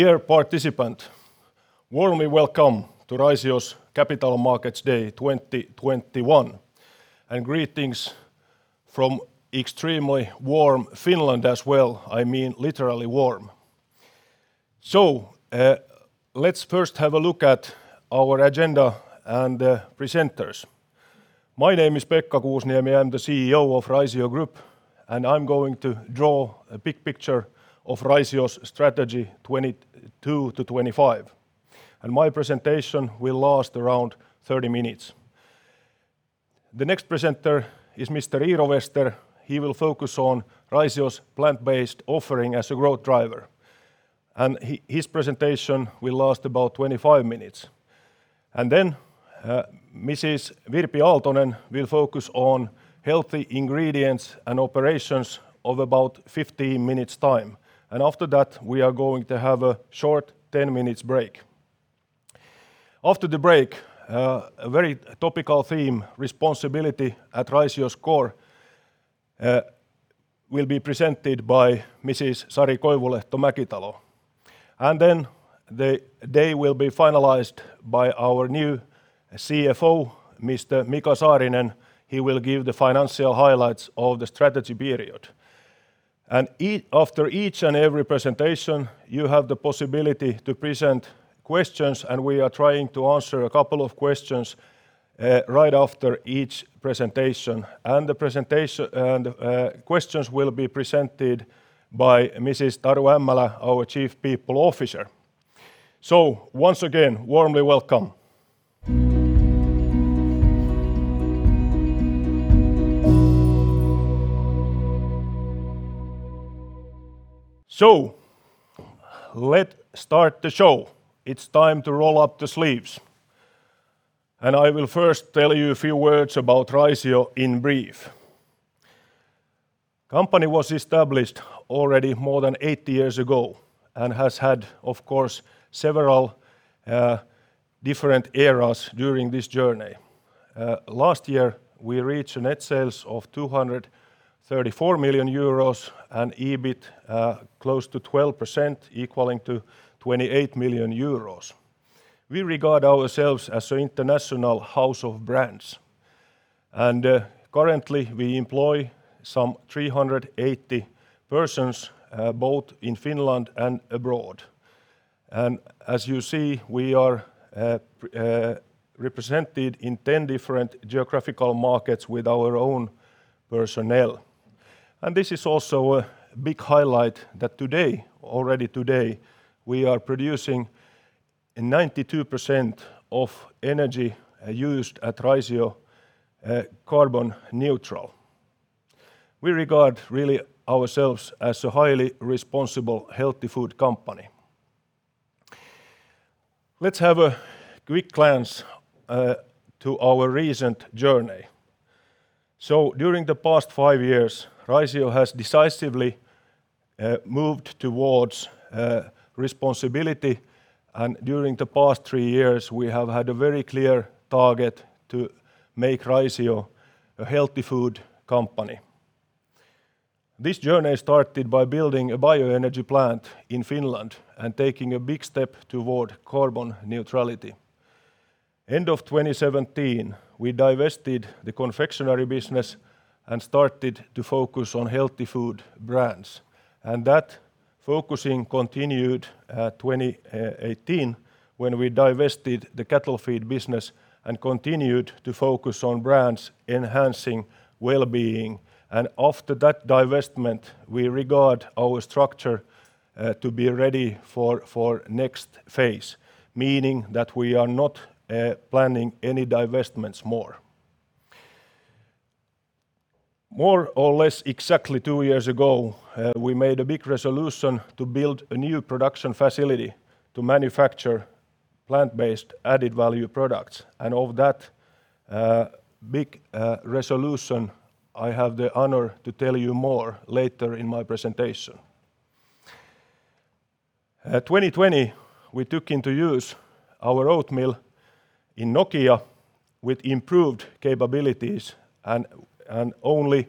Dear participant, warmly welcome to Raisio's Capital Markets Day 2021. Greetings from extremely warm Finland as well. I mean, literally warm. Let's first have a look at our agenda and the presenters. My name is Pekka Kuusniemi. I'm the CEO of Raisio Group, and I'm going to draw a big picture of Raisio's strategy 2022 to 2025. My presentation will last around 30 minutes. The next presenter is Mr. Iiro Wester. He will focus on Raisio's plant-based offering as a growth driver, and his presentation will last about 25 minutes. Mrs. Virpi Aaltonen will focus on healthy ingredients and operations of about 15 minutes time. After that, we are going to have a short 10-minute break. After the break, a very topical theme, responsibility at Raisio's core, will be presented by Mrs. Sari Koivulehto-Mäkitalo. The day will be finalized by our new CFO, Mr. Mika Saarinen. He will give the financial highlights of the strategy period. After each and every presentation, you have the possibility to present questions, and we are trying to answer a couple of questions right after each presentation. The questions will be presented by Mrs. Taru Ämmälä, our Chief People Officer. Once again, warmly welcome. Let's start the show. It's time to roll up the sleeves. I will first tell you a few words about Raisio in brief. Company was established already more than 80 years ago and has had, of course, several different eras during this journey. Last year, we reached net sales of 234 million euros and EBIT close to 12%, equaling to 28 million euros. We regard ourselves as an international house of brands, and currently we employ some 380 persons, both in Finland and abroad. As you see, we are represented in 10 different geographical markets with our own personnel. This is also a big highlight that today, already today, we are producing 92% of energy used at Raisio carbon neutral. We regard really ourselves as a highly responsible, healthy food company. Let's have a quick glance to our recent journey. During the past five years, Raisio has decisively moved towards responsibility, and during the past three years, we have had a very clear target to make Raisio a healthy food company. This journey started by building a bioenergy plant in Finland and taking a big step toward carbon neutrality. End of 2017, we divested the confectionery business and started to focus on healthy food brands. That focusing continued 2018, when we divested the cattle feed business and continued to focus on brands enhancing well-being. After that divestment, we regard our structure to be ready for next phase, meaning that we are not planning any divestments more. More or less exactly two years ago, we made a big resolution to build a new production facility to manufacture plant-based added-value products. Of that big resolution, I have the honor to tell you more later in my presentation. 2020, we took into use our oat mill in Nokia with improved capabilities, and only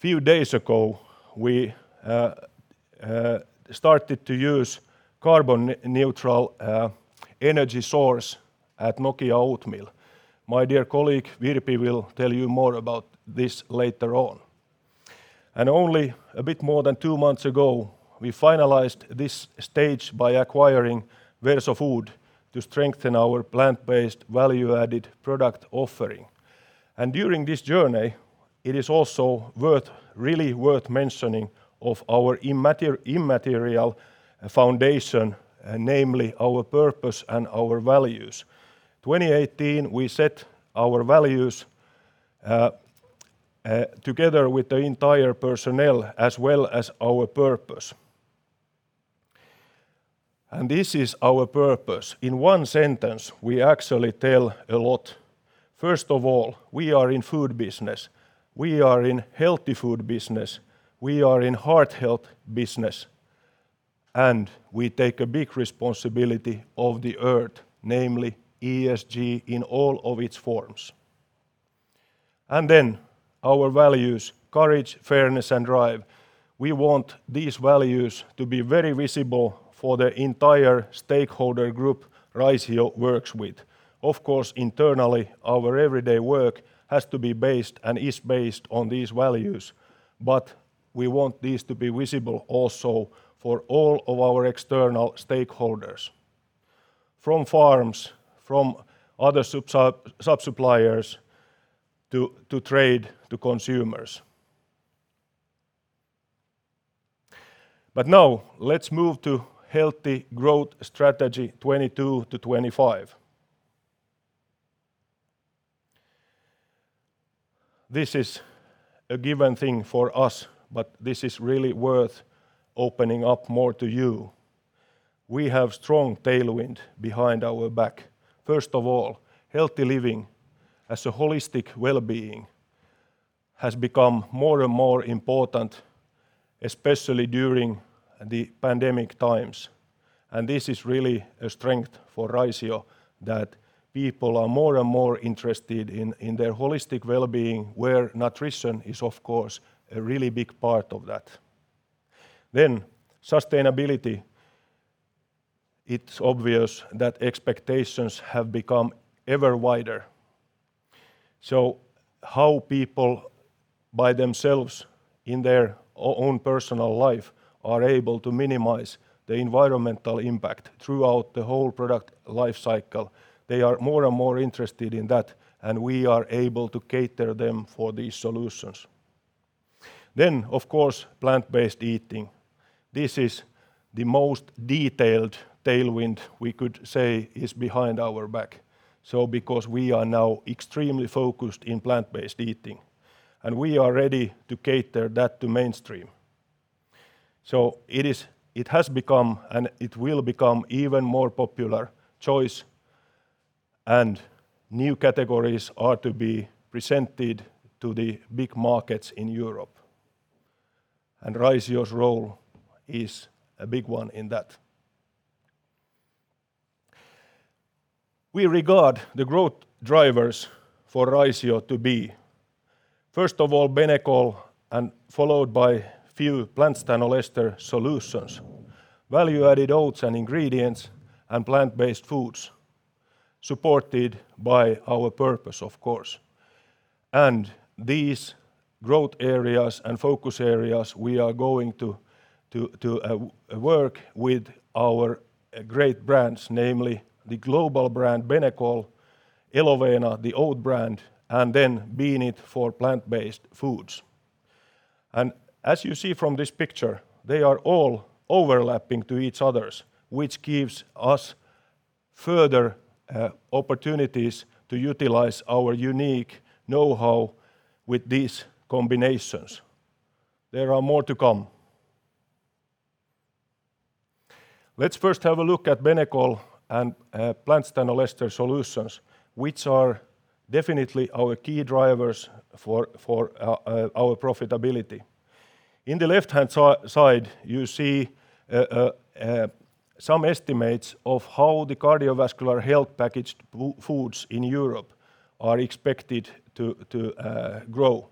few days ago, we started to use carbon neutral energy source at Nokia mill. My dear colleague, Virpi, will tell you more about this later on. Only a bit more than two months ago, we finalized this stage by acquiring Verso Food to strengthen our plant-based value-added product offering. During this journey, it is also really worth mentioning of our immaterial foundation, namely our purpose and our values. 2018, we set our values. Together with the entire personnel, as well as our purpose. This is our purpose. In one sentence, we actually tell a lot. First of all, we are in food business. We are in healthy food business. We are in heart health business, and we take a big responsibility of the Earth, namely ESG in all of its forms. Then our values, courage, fairness, and drive. We want these values to be very visible for the entire stakeholder group Raisio works with. Of course, internally, our everyday work has to be based and is based on these values. We want these to be visible also for all of our external stakeholders, from farms, from other sub-suppliers, to trade to consumers. Now let's move to Healthy Growth Strategy 2022 to 2025. This is a given thing for us, but this is really worth opening up more to you. We have strong tailwind behind our back. First of all, healthy living as a holistic wellbeing has become more and more important, especially during the pandemic times. This is really a strength for Raisio, that people are more and more interested in their holistic wellbeing, where nutrition is, of course, a really big part of that. Sustainability, it's obvious that expectations have become ever wider. How people by themselves in their own personal life are able to minimize the environmental impact throughout the whole product life cycle. They are more and more interested in that, and we are able to cater them for these solutions. Of course, plant-based eating. This is the most detailed tailwind we could say is behind our back. Because we are now extremely focused in plant-based eating, and we are ready to cater that to mainstream. It has become, and it will become even more popular choice, and new categories are to be presented to the big markets in Europe. Raisio's role is a big one in that. We regard the growth drivers for Raisio to be, first of all, Benecol, and followed by few plant stanol ester solutions, value-added oats and ingredients, and plant-based foods supported by our purpose, of course. These growth areas and focus areas, we are going to work with our great brands, namely the global brand, Benecol, Elovena, the oat brand, and then Beanit for plant-based foods. As you see from this picture, they are all overlapping to each others, which gives us further opportunities to utilize our unique know-how with these combinations. There are more to come. Let's first have a look at Benecol and plant stanol ester solutions, which are definitely our key drivers for our profitability. In the left-hand side, you see some estimates of how the cardiovascular health packaged foods in Europe are expected to grow.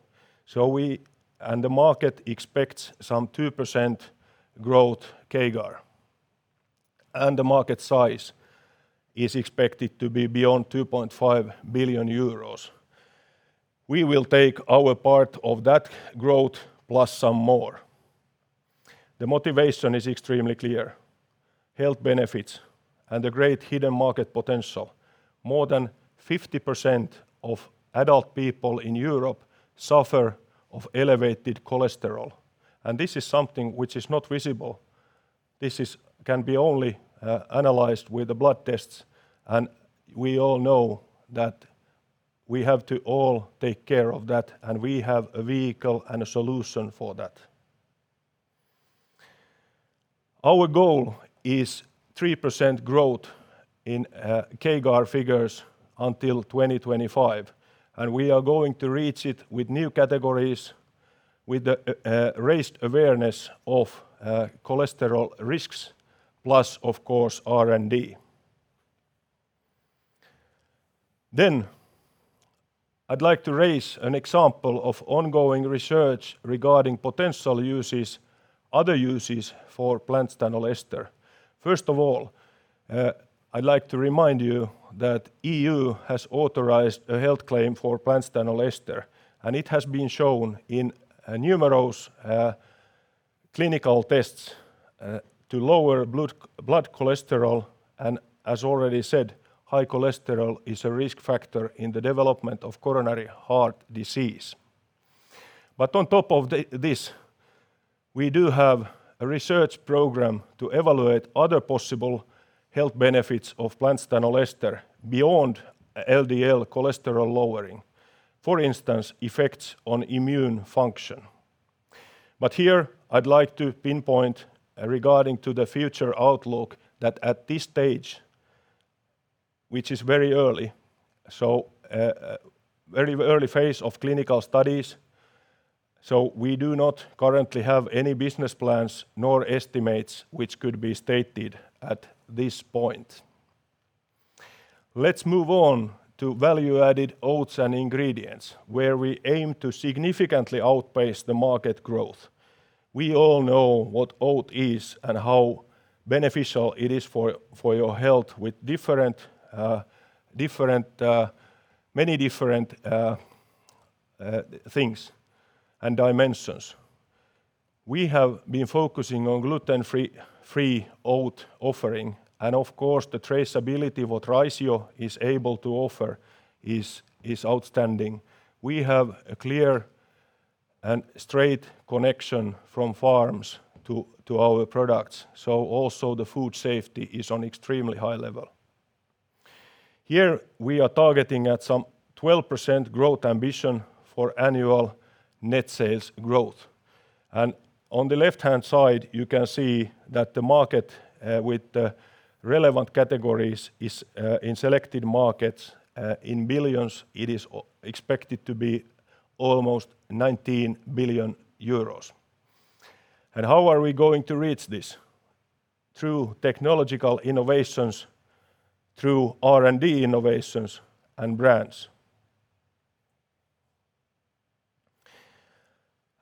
The market expects some 2% growth CAGR. The market size is expected to be beyond 2.5 billion euros. We will take our part of that growth plus some more. The motivation is extremely clear. Health benefits and the great hidden market potential. More than 50% of adult people in Europe suffer of elevated cholesterol, and this is something which is not visible. This can be only analyzed with the blood tests, and we all know that we have to all take care of that, and we have a vehicle and a solution for that. Our goal is 3% growth in CAGR figures until 2025, and we are going to reach it with new categories, with a raised awareness of cholesterol risks plus, of course, R&D. I'd like to raise an example of ongoing research regarding potential other uses for plant stanol ester. First of all, I'd like to remind you that EU has authorized a health claim for plant stanol ester, and it has been shown in numerous clinical tests to lower blood cholesterol. As already said, high cholesterol is a risk factor in the development of coronary heart disease. On top of this. We do have a research program to evaluate other possible health benefits of plant stanol ester beyond LDL cholesterol lowering, for instance, effects on immune function. Here I'd like to pinpoint regarding to the future outlook that at this stage, which is very early phase of clinical studies, so we do not currently have any business plans nor estimates which could be stated at this point. Let's move on to value-added oats and ingredients, where we aim to significantly outpace the market growth. We all know what oat is and how beneficial it is for your health with many different things and dimensions. We have been focusing on gluten-free oat offering, and of course, the traceability what Raisio is able to offer is outstanding. We have a clear and straight connection from farms to our products. Also the food safety is on extremely high level. Here we are targeting at some 12% growth ambition for annual net sales growth. On the left-hand side, you can see that the market with the relevant categories is in selected markets in billions, it is expected to be almost 19 billion euros. How are we going to reach this? Through technological innovations, through R&D innovations, and brands.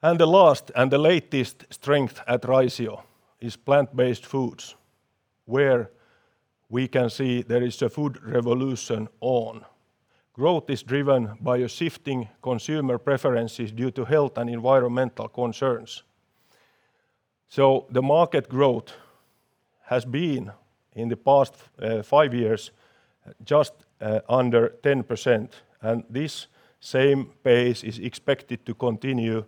The last and the latest strength at Raisio is plant-based foods, where we can see there is a food revolution on. Growth is driven by a shifting consumer preferences due to health and environmental concerns. The market growth has been, in the past five years, just under 10%, and this same pace is expected to continue.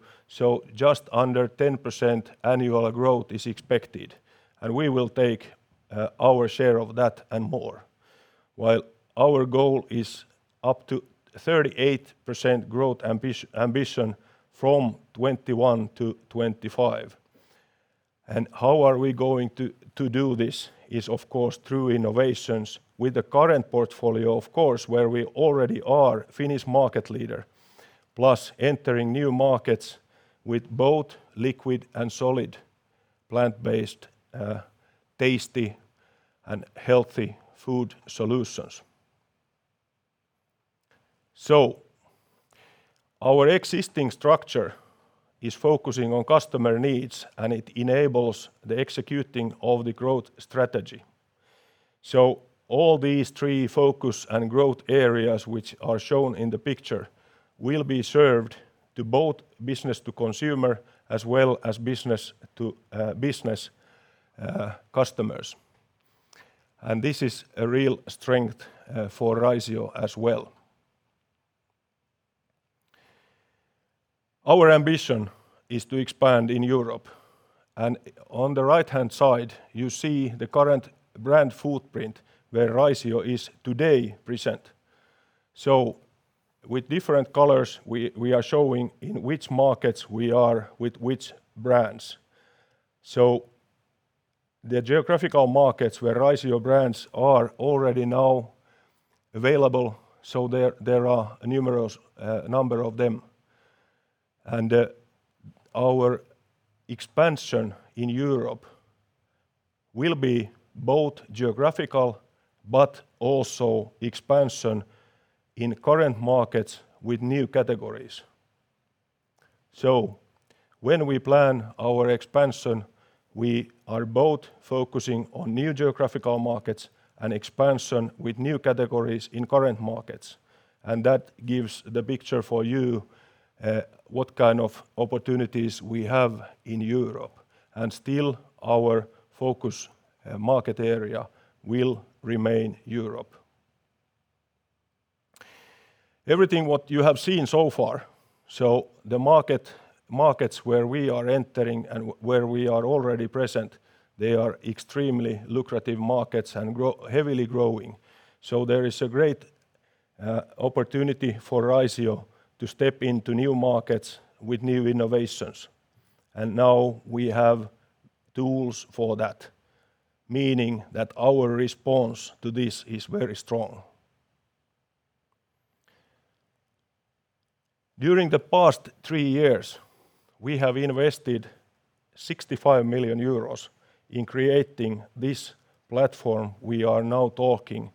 Just under 10% annual growth is expected, and we will take our share of that and more. Our goal is up to 38% growth ambition from 2021 to 2025. How are we going to do this is, of course, through innovations with the current portfolio, of course, where we already are Finnish market leader, plus entering new markets with both liquid and solid plant-based, tasty, and healthy food solutions. Our existing structure is focusing on customer needs, and it enables the executing of the growth strategy. All these three focus and growth areas which are shown in the picture will be served to both Business to consumer as well as Business to business customers. This is a real strength for Raisio as well. Our ambition is to expand in Europe. On the right-hand side, you see the current brand footprint where Raisio is today present. With different colors, we are showing in which markets we are with which brands. The geographical markets where Raisio brands are already now available, so there are a number of them. Our expansion in Europe will be both geographical but also expansion in current markets with new categories. When we plan our expansion, we are both focusing on new geographical markets and expansion with new categories in current markets. That gives the picture for you what kind of opportunities we have in Europe. Still, our focus market area will remain Europe. Everything what you have seen so far, so the markets where we are entering and where we are already present, they are extremely lucrative markets and heavily growing. There is a great opportunity for Raisio to step into new markets with new innovations. Now we have tools for that, meaning that our response to this is very strong. During the past three years, we have invested 65 million euros in creating this platform we are now talking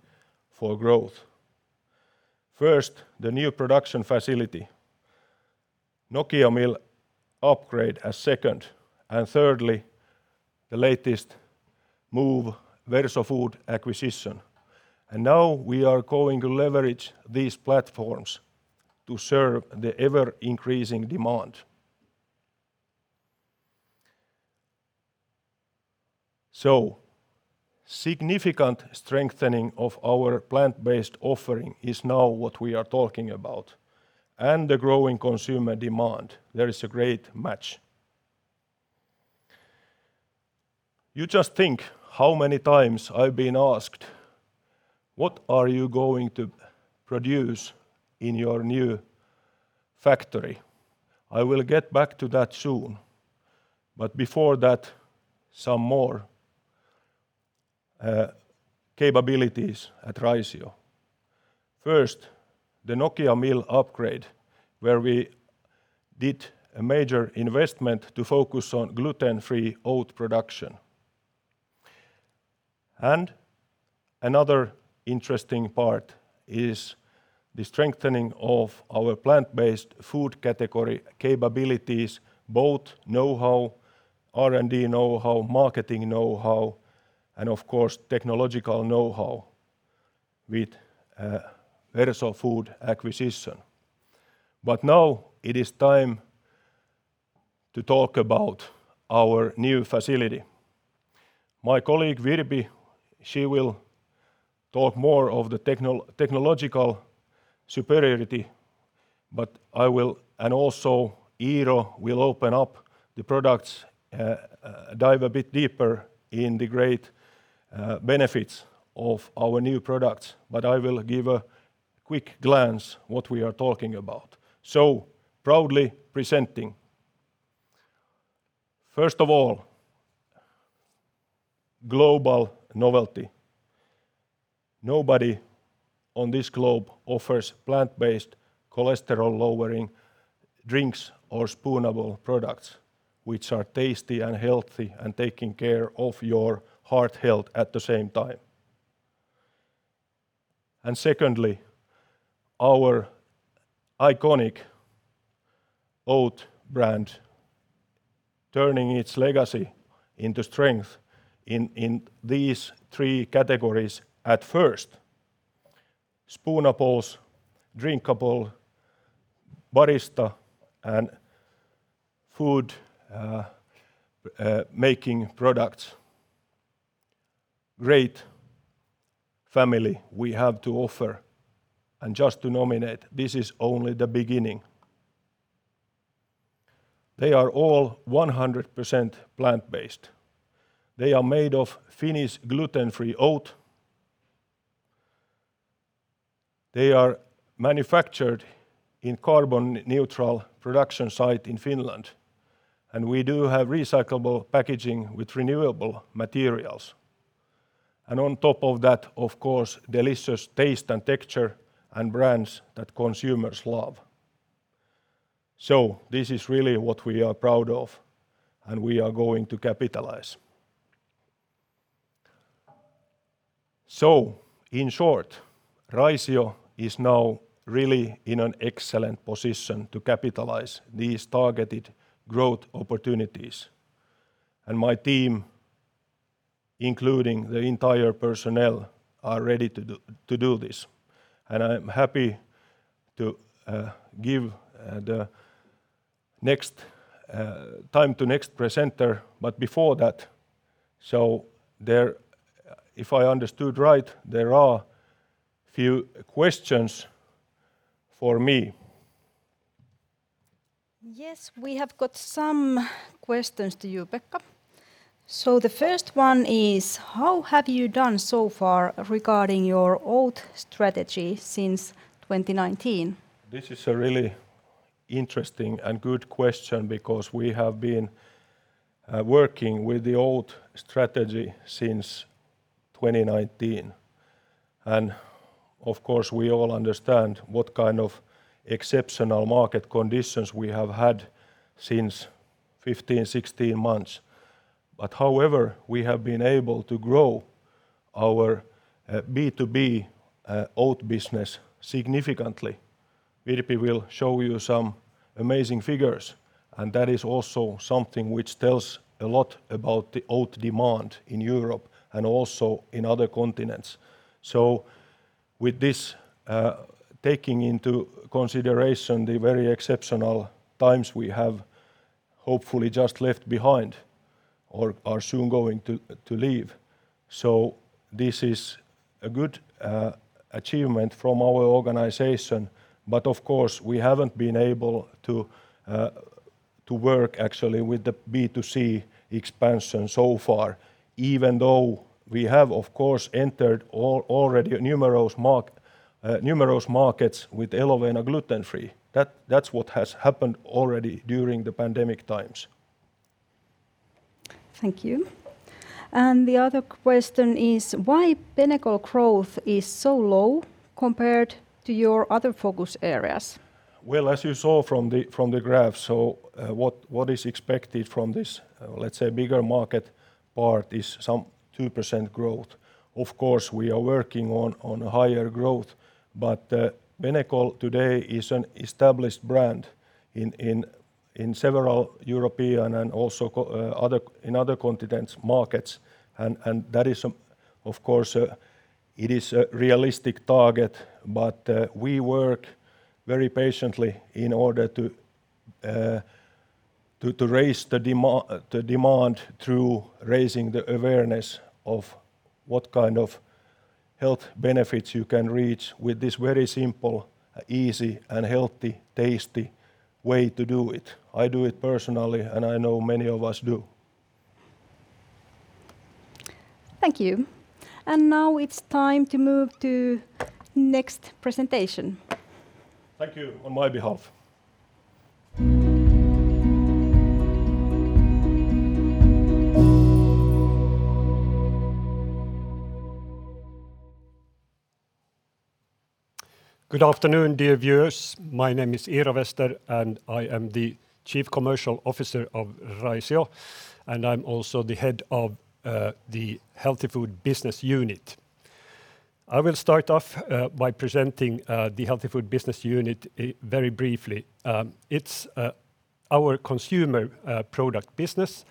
for growth. First, the new production facility, Nokia mill upgrade as second, and thirdly, the latest move, Verso Food acquisition. Now we are going to leverage these platforms to serve the ever-increasing demand. Significant strengthening of our plant-based offering is now what we are talking about and the growing consumer demand. There is a great match. You just think how many times I've been asked, "What are you going to produce in your new factory?" I will get back to that soon, but before that, some more capabilities at Raisio. First, the Nokia mill upgrade, where we did a major investment to focus on gluten-free oat production. Another interesting part is the strengthening of our plant-based food category capabilities, both know-how, R&D know-how, marketing know-how, and of course, technological know-how with Verso Food acquisition. Now it is time to talk about our new facility. My colleague, Virpi, she will talk more of the technological superiority, and also Iiro will open up the products, dive a bit deeper in the great benefits of our new products. I will give a quick glance what we are talking about. Proudly presenting, first of all, global novelty. Nobody on this globe offers plant-based cholesterol-lowering drinks or spoonable products, which are tasty and healthy and taking care of your heart health at the same time. Secondly, our iconic oat brand, turning its legacy into strength in these three categories at first. Spoonables, drinkable, barista, and food-making products. Great family we have to offer. Just to note, this is only the beginning. They are all 100% plant-based. They are made of Finnish gluten-free oat. They are manufactured in carbon neutral production site in Finland, and we do have recyclable packaging with renewable materials. On top of that, of course, delicious taste and texture and brands that consumers love. This is really what we are proud of and we are going to capitalize. In short, Raisio is now really in an excellent position to capitalize these targeted growth opportunities. My team, including the entire personnel, are ready to do this. I'm happy to give the time to next presenter. Before that, if I understood right, there are few questions for me. Yes, we have got some questions to you, Pekka. The first one is, how have you done so far regarding your oat strategy since 2019? This is a really interesting and good question because we have been working with the oat strategy since 2019, of course, we all understand what kind of exceptional market conditions we have had since 15-16 months. However, we have been able to grow our B2B oat business significantly. Virpi will show you some amazing figures, that is also something which tells a lot about the oat demand in Europe and also in other continents. With this, taking into consideration the very exceptional times we have hopefully just left behind or are soon going to leave. This is a good achievement from our organization. Of course, we haven't been able to work actually with the B2C expansion so far, even though we have, of course, entered already numerous markets with Elovena gluten-free. That's what has happened already during the pandemic times. Thank you. The other question is, why Benecol growth is so low compared to your other focus areas? As you saw from the graph, so what is expected from this, let's say, bigger market part is some 2% growth. Of course, we are working on a higher growth, but Benecol today is an established brand in several European and also in other continents markets, and that is, of course, it is a realistic target, but we work very patiently in order to. To raise the demand through raising the awareness of what kind of health benefits you can reach with this very simple, easy, and healthy, tasty way to do it. I do it personally, and I know many of us do. Thank you. Now it's time to move to next presentation. Thank you on my behalf. Good afternoon, dear viewers. My name is Iiro Wester, and I am the Chief Commercial Officer of Raisio, and I'm also the Head of the Healthy Food Business Unit. I will start off by presenting the Healthy Food Business Unit very briefly. It's our consumer product business,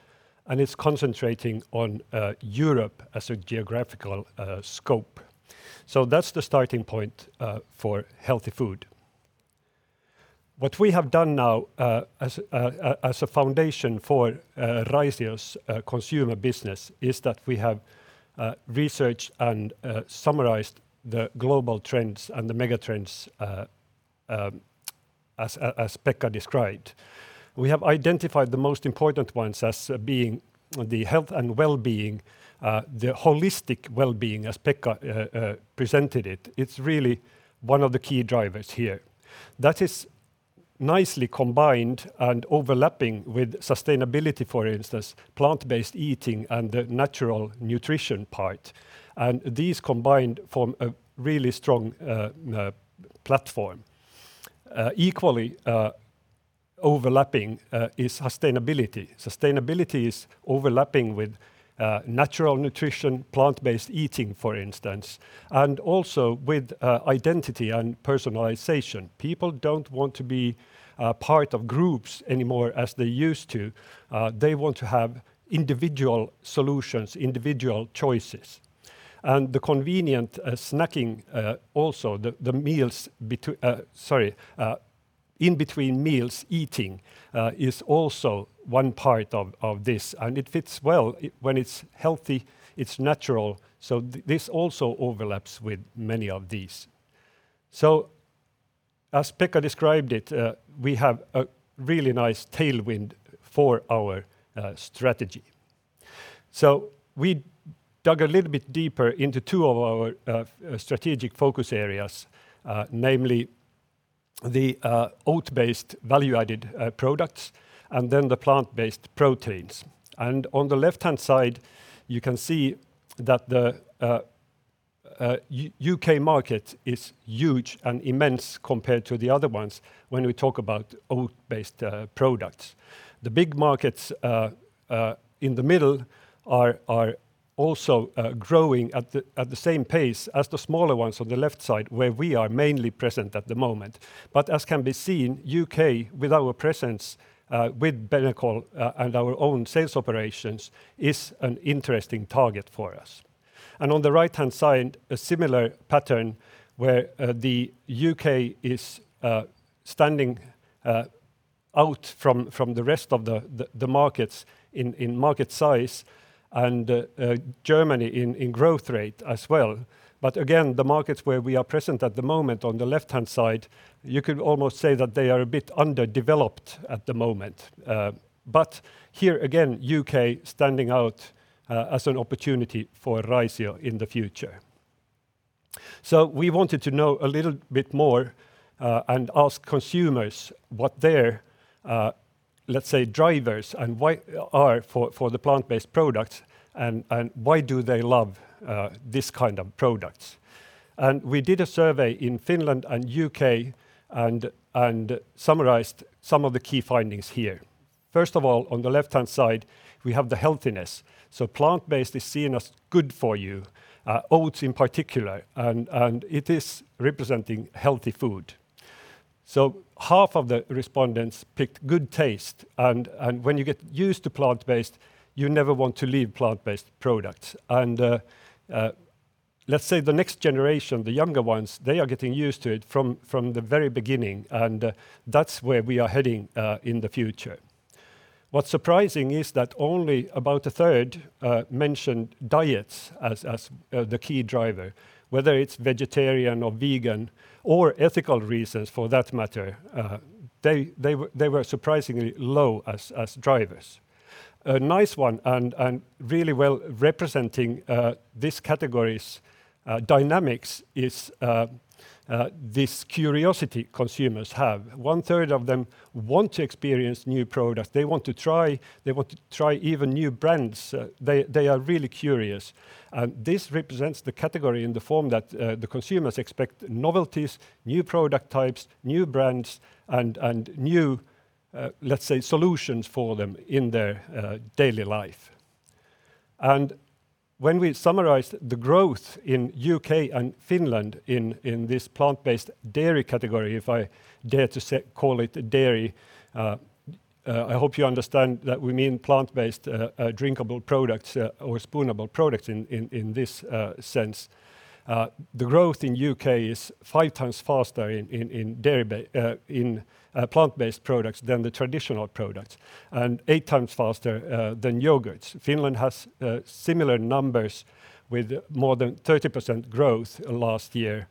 and it's concentrating on Europe as a geographical scope. That's the starting point for healthy food. What we have done now as a foundation for Raisio's consumer business is that we have researched and summarized the global trends and the mega trends as Pekka described. We have identified the most important ones as being the health and wellbeing, the holistic wellbeing, as Pekka presented it. It's really one of the key drivers here. That is nicely combined and overlapping with sustainability, for instance, plant-based eating, and the natural nutrition part. These combined form a really strong platform. Equally overlapping is sustainability. Sustainability is overlapping with natural nutrition, plant-based eating, for instance, and also with identity and personalization. People don't want to be part of groups anymore as they used to. They want to have individual solutions, individual choices. The convenient snacking also, the in-between meals eating is also one part of this, and it fits well. When it's healthy, it's natural, this also overlaps with many of these. As Pekka described it, we have a really nice tailwind for our strategy. We dug a little bit deeper into two of our strategic focus areas. Namely, the oat-based value-added products and then the plant-based proteins. On the left-hand side, you can see that the U.K. market is huge and immense compared to the other ones when we talk about oat-based products. The big markets in the middle are also growing at the same pace as the smaller ones on the left side, where we are mainly present at the moment. As can be seen, U.K. with our presence with Benecol and our own sales operations, is an interesting target for us. On the right-hand side, a similar pattern where the U.K. is standing out from the rest of the markets in market size and Germany in growth rate as well. Again, the markets where we are present at the moment on the left-hand side, you could almost say that they are a bit underdeveloped at the moment. Here again, U.K. standing out as an opportunity for Raisio in the future. We wanted to know a little bit more and ask consumers what their, let's say, drivers are for the plant-based products and why do they love these kind of products. We did a survey in Finland and U.K. and summarized some of the key findings here. First of all, on the left-hand side, we have the healthiness. Plant-based is seen as good for you, oats in particular, and it is representing healthy food. Half of the respondents picked good taste. When you get used to plant-based, you never want to leave plant-based products. Let's say the next generation, the younger ones, they are getting used to it from the very beginning, and that's where we are heading in the future. What's surprising is that only about a third mentioned diets as the key driver, whether it's vegetarian or vegan or ethical reasons for that matter. They were surprisingly low as drivers. A nice one and really well representing this category's dynamics is this curiosity consumers have. One third of them want to experience new products. They want to try even new brands. They are really curious. This represents the category in the form that the consumers expect novelties, new product types, new brands, and new, let's say, solutions for them in their daily life. When we summarize the growth in U.K. and Finland in this plant-based dairy category, if I dare to call it dairy, I hope you understand that we mean plant-based drinkable products or spoonable products in this sense. The growth in U.K. is five times faster in plant-based products than the traditional products, and eight times faster than yogurt. Finland has similar numbers with more than 30% growth last year.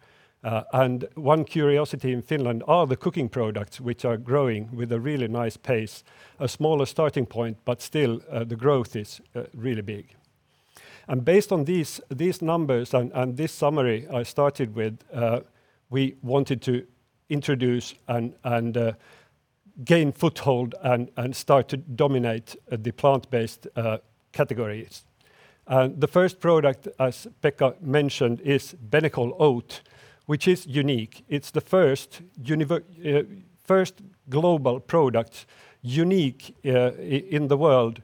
One curiosity in Finland are the cooking products, which are growing with a really nice pace, a smaller starting point, but still the growth is really big. Based on these numbers and this summary I started with, we wanted to introduce and gain foothold and start to dominate the plant-based categories. The first product, as Pekka mentioned, is Benecol OAT, which is unique. It's the first global product, unique in the world,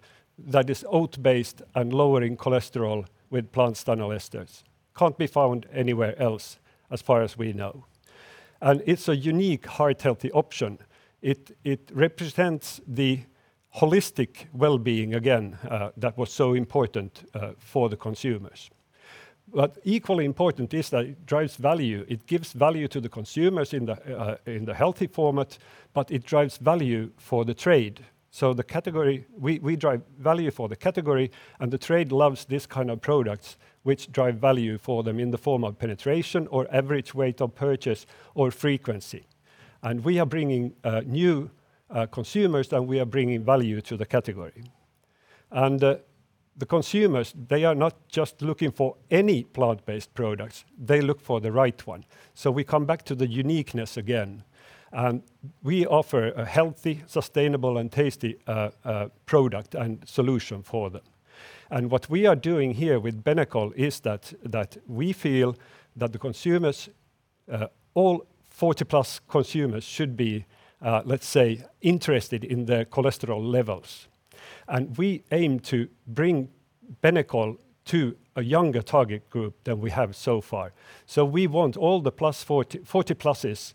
that is oat-based and lower in cholesterol with plant stanol esters. Can't be found anywhere else, as far as we know. It's a unique heart-healthy option. It represents the holistic wellbeing, again, that was so important for the consumers. Equally important is that it drives value. It gives value to the consumers in the healthy format, but it drives value for the trade. We drive value for the category, and the trade loves this kind of products, which drive value for them in the form of penetration or average weight of purchase or frequency. We are bringing new consumers, and we are bringing value to the category. The consumers, they are not just looking for any plant-based products. They look for the right one. We come back to the uniqueness again, and we offer a healthy, sustainable, and tasty product and solution for them. What we are doing here with Benecol is that we feel that all 40+ consumers should be, let's say, interested in their cholesterol levels. We aim to bring Benecol to a younger target group than we have so far. We want all the 40-pluses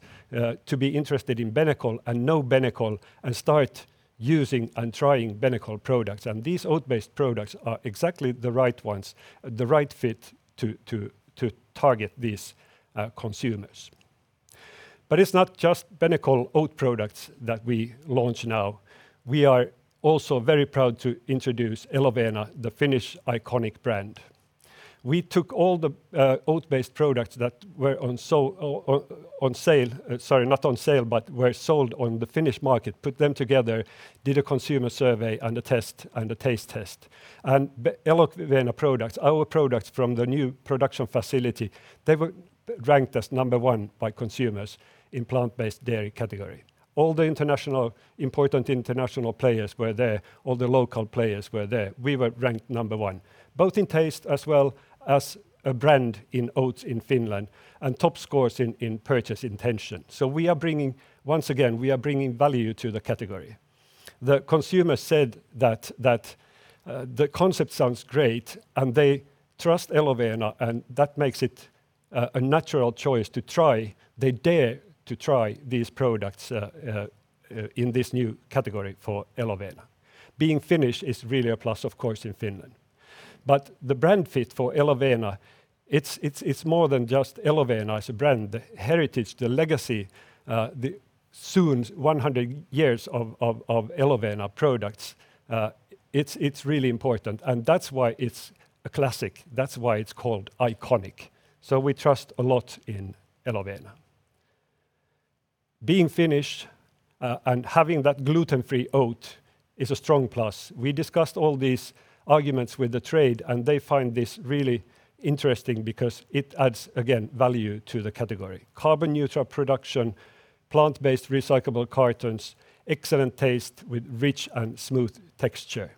to be interested in Benecol and know Benecol and start using and trying Benecol products. These oat-based products are exactly the right ones, the right fit to target these consumers. It's not just Benecol OAT products that we launch now. We are also very proud to introduce Elovena, the Finnish iconic brand. We took all the oat-based products that were on sale, sorry, not on sale, but were sold on the Finnish market, put them together, did a consumer survey and a taste test. Elovena products, our products from the new production facility, they were ranked as number one by consumers in plant-based dairy category. All the important international players were there. All the local players were there. We were ranked number one, both in taste as well as a brand in oats in Finland, and top scores in purchase intention. Once again, we are bringing value to the category. The consumer said that the concept sounds great, and they trust Elovena, and that makes it a natural choice to try. They dare to try these products in this new category for Elovena. Being Finnish is really a plus, of course, in Finland. The brand fit for Elovena, it's more than just Elovena as a brand. The heritage, the legacy, the soon 100 years of Elovena products, it's really important. That's why it's a classic. That's why it's called iconic. We trust a lot in Elovena. Being Finnish and having that gluten-free oat is a strong plus. We discussed all these arguments with the trade, they find this really interesting because it adds, again, value to the category. Carbon neutral production, plant-based recyclable cartons, excellent taste with rich and smooth texture.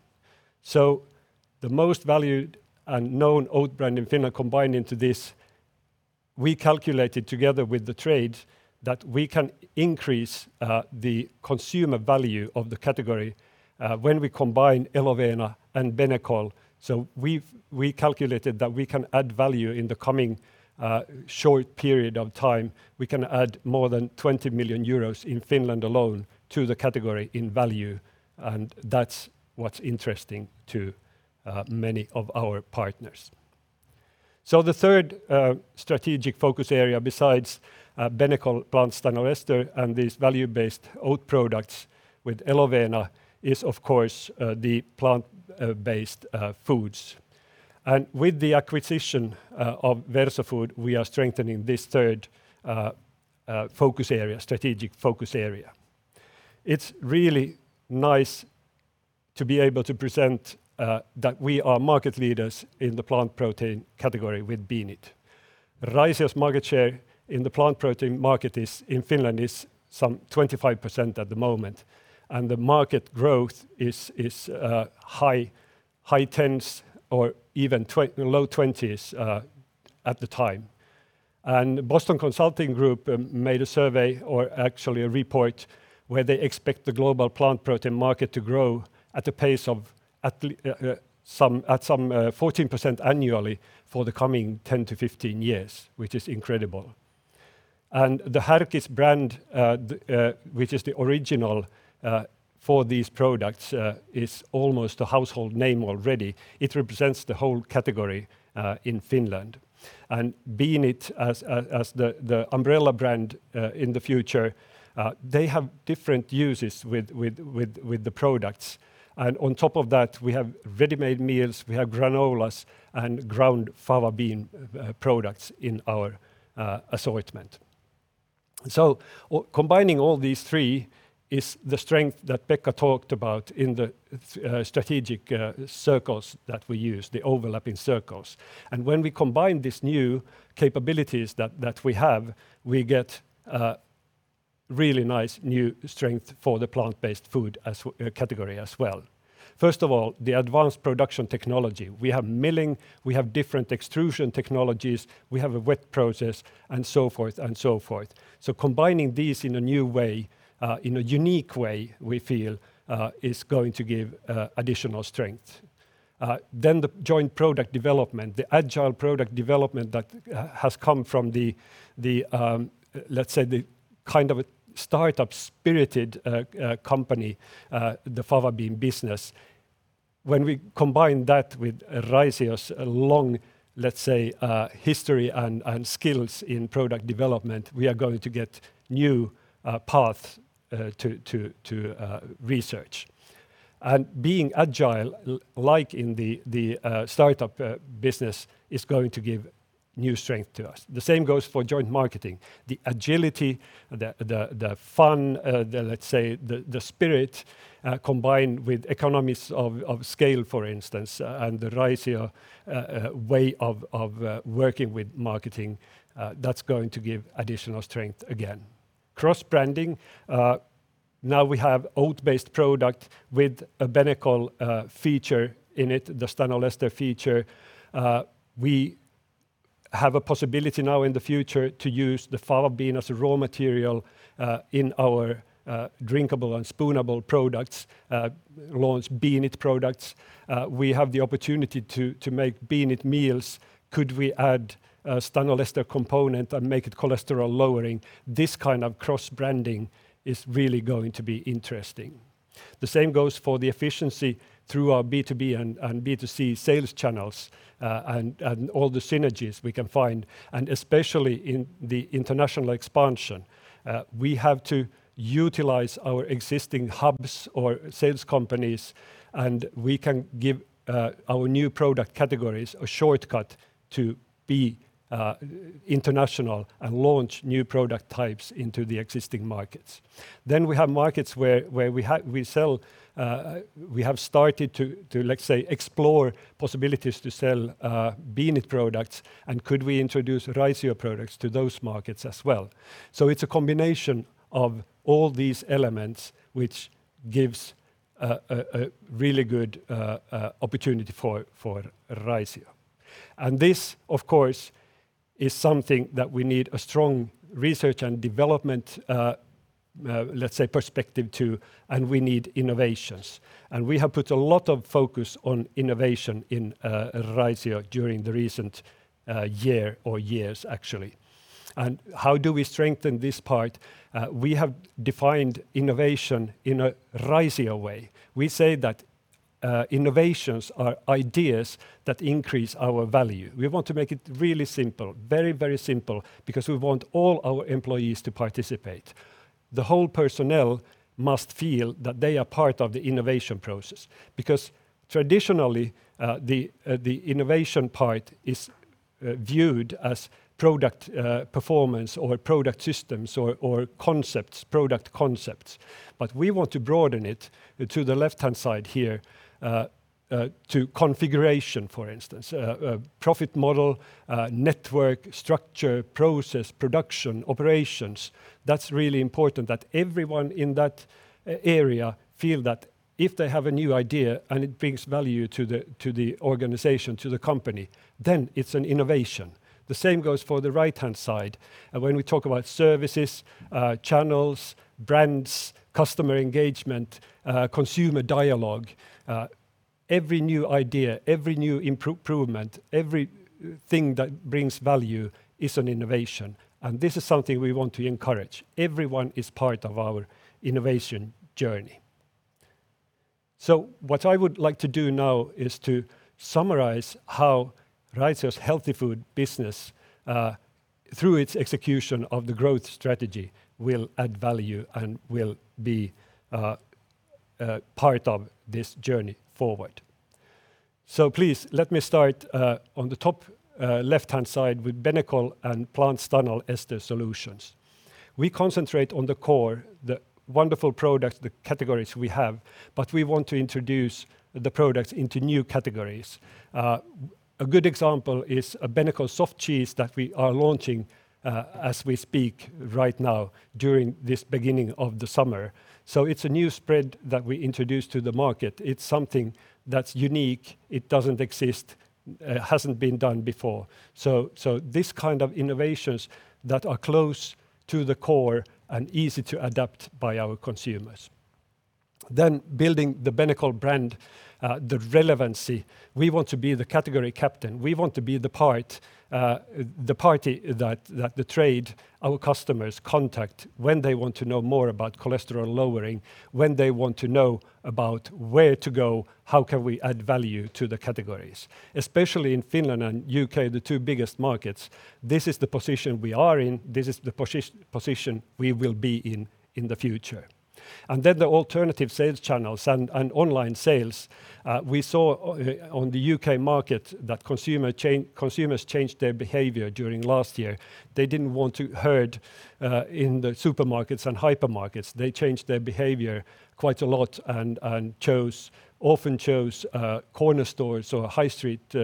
The most valued and known oat brand in Finland combined into this. We calculated together with the trade that we can increase the consumer value of the category when we combine Elovena and Benecol. We calculated that we can add value in the coming short period of time. We can add more than 20 million euros in Finland alone to the category in value, and that's what's interesting to many of our partners. The third strategic focus area, besides Benecol plant stanol ester and these value-based oat products with Elovena, is, of course, the plant-based foods. With the acquisition of Verso Food, we are strengthening this third strategic focus area. It's really nice to be able to present that we are market leaders in the plant protein category with Beanit. Raisio's market share in the plant protein market in Finland is some 25% at the moment, the market growth is high 10s or even low 20s at the time. Boston Consulting Group made a survey, or actually a report, where they expect the global plant protein market to grow at some 14% annually for the coming 10 years-15 years, which is incredible. The Härkis brand, which is the original for these products, is almost a household name already. It represents the whole category in Finland. Beanit, as the umbrella brand in the future, they have different uses with the products. On top of that, we have ready-made meals, we have granolas, and ground fava bean products in our assortment. Combining all these three is the strength that Pekka talked about in the strategic circles that we use, the overlapping circles. When we combine these new capabilities that we have, we get a really nice new strength for the plant-based food category as well. First of all, the advanced production technology. We have milling, we have different extrusion technologies, we have a wet process, and so forth. Combining these in a new way, in a unique way, we feel, is going to give additional strength. The joint product development, the agile product development that has come from the, let's say the kind of a startup-spirited company, the fava bean business. When we combine that with Raisio's long, let's say, history and skills in product development, we are going to get new paths to research. Being agile, like in the startup business, is going to give new strength to us. The same goes for joint marketing. The agility, the fun, let's say, the spirit, combined with economies of scale, for instance, and the Raisio way of working with marketing, that's going to give additional strength again. Cross-branding. Now we have oat-based product with a Benecol feature in it, the stanol ester feature. We have a possibility now in the future to use the fava bean as a raw material in our drinkable and spoonable products, launch Beanit products. We have the opportunity to make Beanit meals. Could we add a stanol ester component and make it cholesterol-lowering? This kind of cross-branding is really going to be interesting. The same goes for the efficiency through our B2B and B2C sales channels and all the synergies we can find, and especially in the international expansion. We have to utilize our existing hubs or sales companies. We can give our new product categories a shortcut to be international and launch new product types into the existing markets. We have markets where we have started to, let's say, explore possibilities to sell Beanit products and could we introduce Raisio products to those markets as well? It's a combination of all these elements which gives a really good opportunity for Raisio. This, of course, is something that we need a strong research and development, let's say, perspective to, and we need innovations. We have put a lot of focus on innovation in Raisio during the recent year, or years, actually. How do we strengthen this part? We have defined innovation in a Raisio way. We say that innovations are ideas that increase our value. We want to make it really simple. Very simple, because we want all our employees to participate. The whole personnel must feel that they are part of the innovation process, because traditionally, the innovation part is viewed as product performance or product systems or product concepts. We want to broaden it to the left-hand side here, to configuration, for instance. Profit model, network, structure, process, production, operations. That's really important, that everyone in that area feel that if they have a new idea and it brings value to the organization, to the company, then it's an innovation. The same goes for the right-hand side. When we talk about services, channels, brands, customer engagement, consumer dialogue, every new idea, every new improvement, everything that brings value is an innovation. This is something we want to encourage. Everyone is part of our innovation journey. What I would like to do now is to summarize how Raisio's Healthy Food Business, through its execution of the growth strategy, will add value and will be part of this journey forward. Please, let me start on the top left-hand side with Benecol and plant stanol ester solutions. We concentrate on the core, the wonderful products, the categories we have, but we want to introduce the products into new categories. A good example is a Benecol soft cheese that we are launching as we speak right now, during this beginning of the summer. It's a new spread that we introduced to the market. It's something that's unique. It doesn't exist. It hasn't been done before. These kind of innovations that are close to the core and easy to adapt by our consumers. Then building the Benecol brand, the relevancy. We want to be the category captain. We want to be the party that the trade, our customers contact when they want to know more about cholesterol lowering, when they want to know about where to go, how can we add value to the categories. Especially in Finland and U.K., the two biggest markets, this is the position we are in. This is the position we will be in the future. The alternative sales channels and online sales, we saw on the U.K. market that consumers changed their behavior during last year. They didn't want to herd in the supermarkets and hypermarkets. They changed their behavior quite a lot and often chose corner stores or high street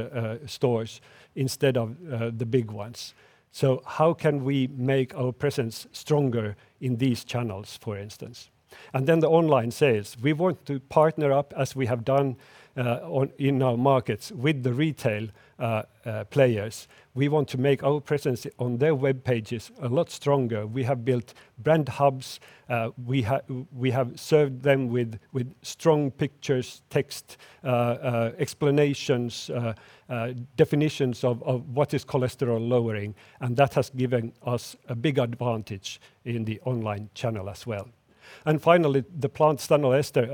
stores instead of the big ones. How can we make our presence stronger in these channels, for instance? The online sales. We want to partner up as we have done in our markets with the retail players. We want to make our presence on their web pages a lot stronger. We have built brand hubs. We have served them with strong pictures, text explanations, definitions of what is cholesterol lowering, and that has given us a big advantage in the online channel as well. Finally, the plant stanol ester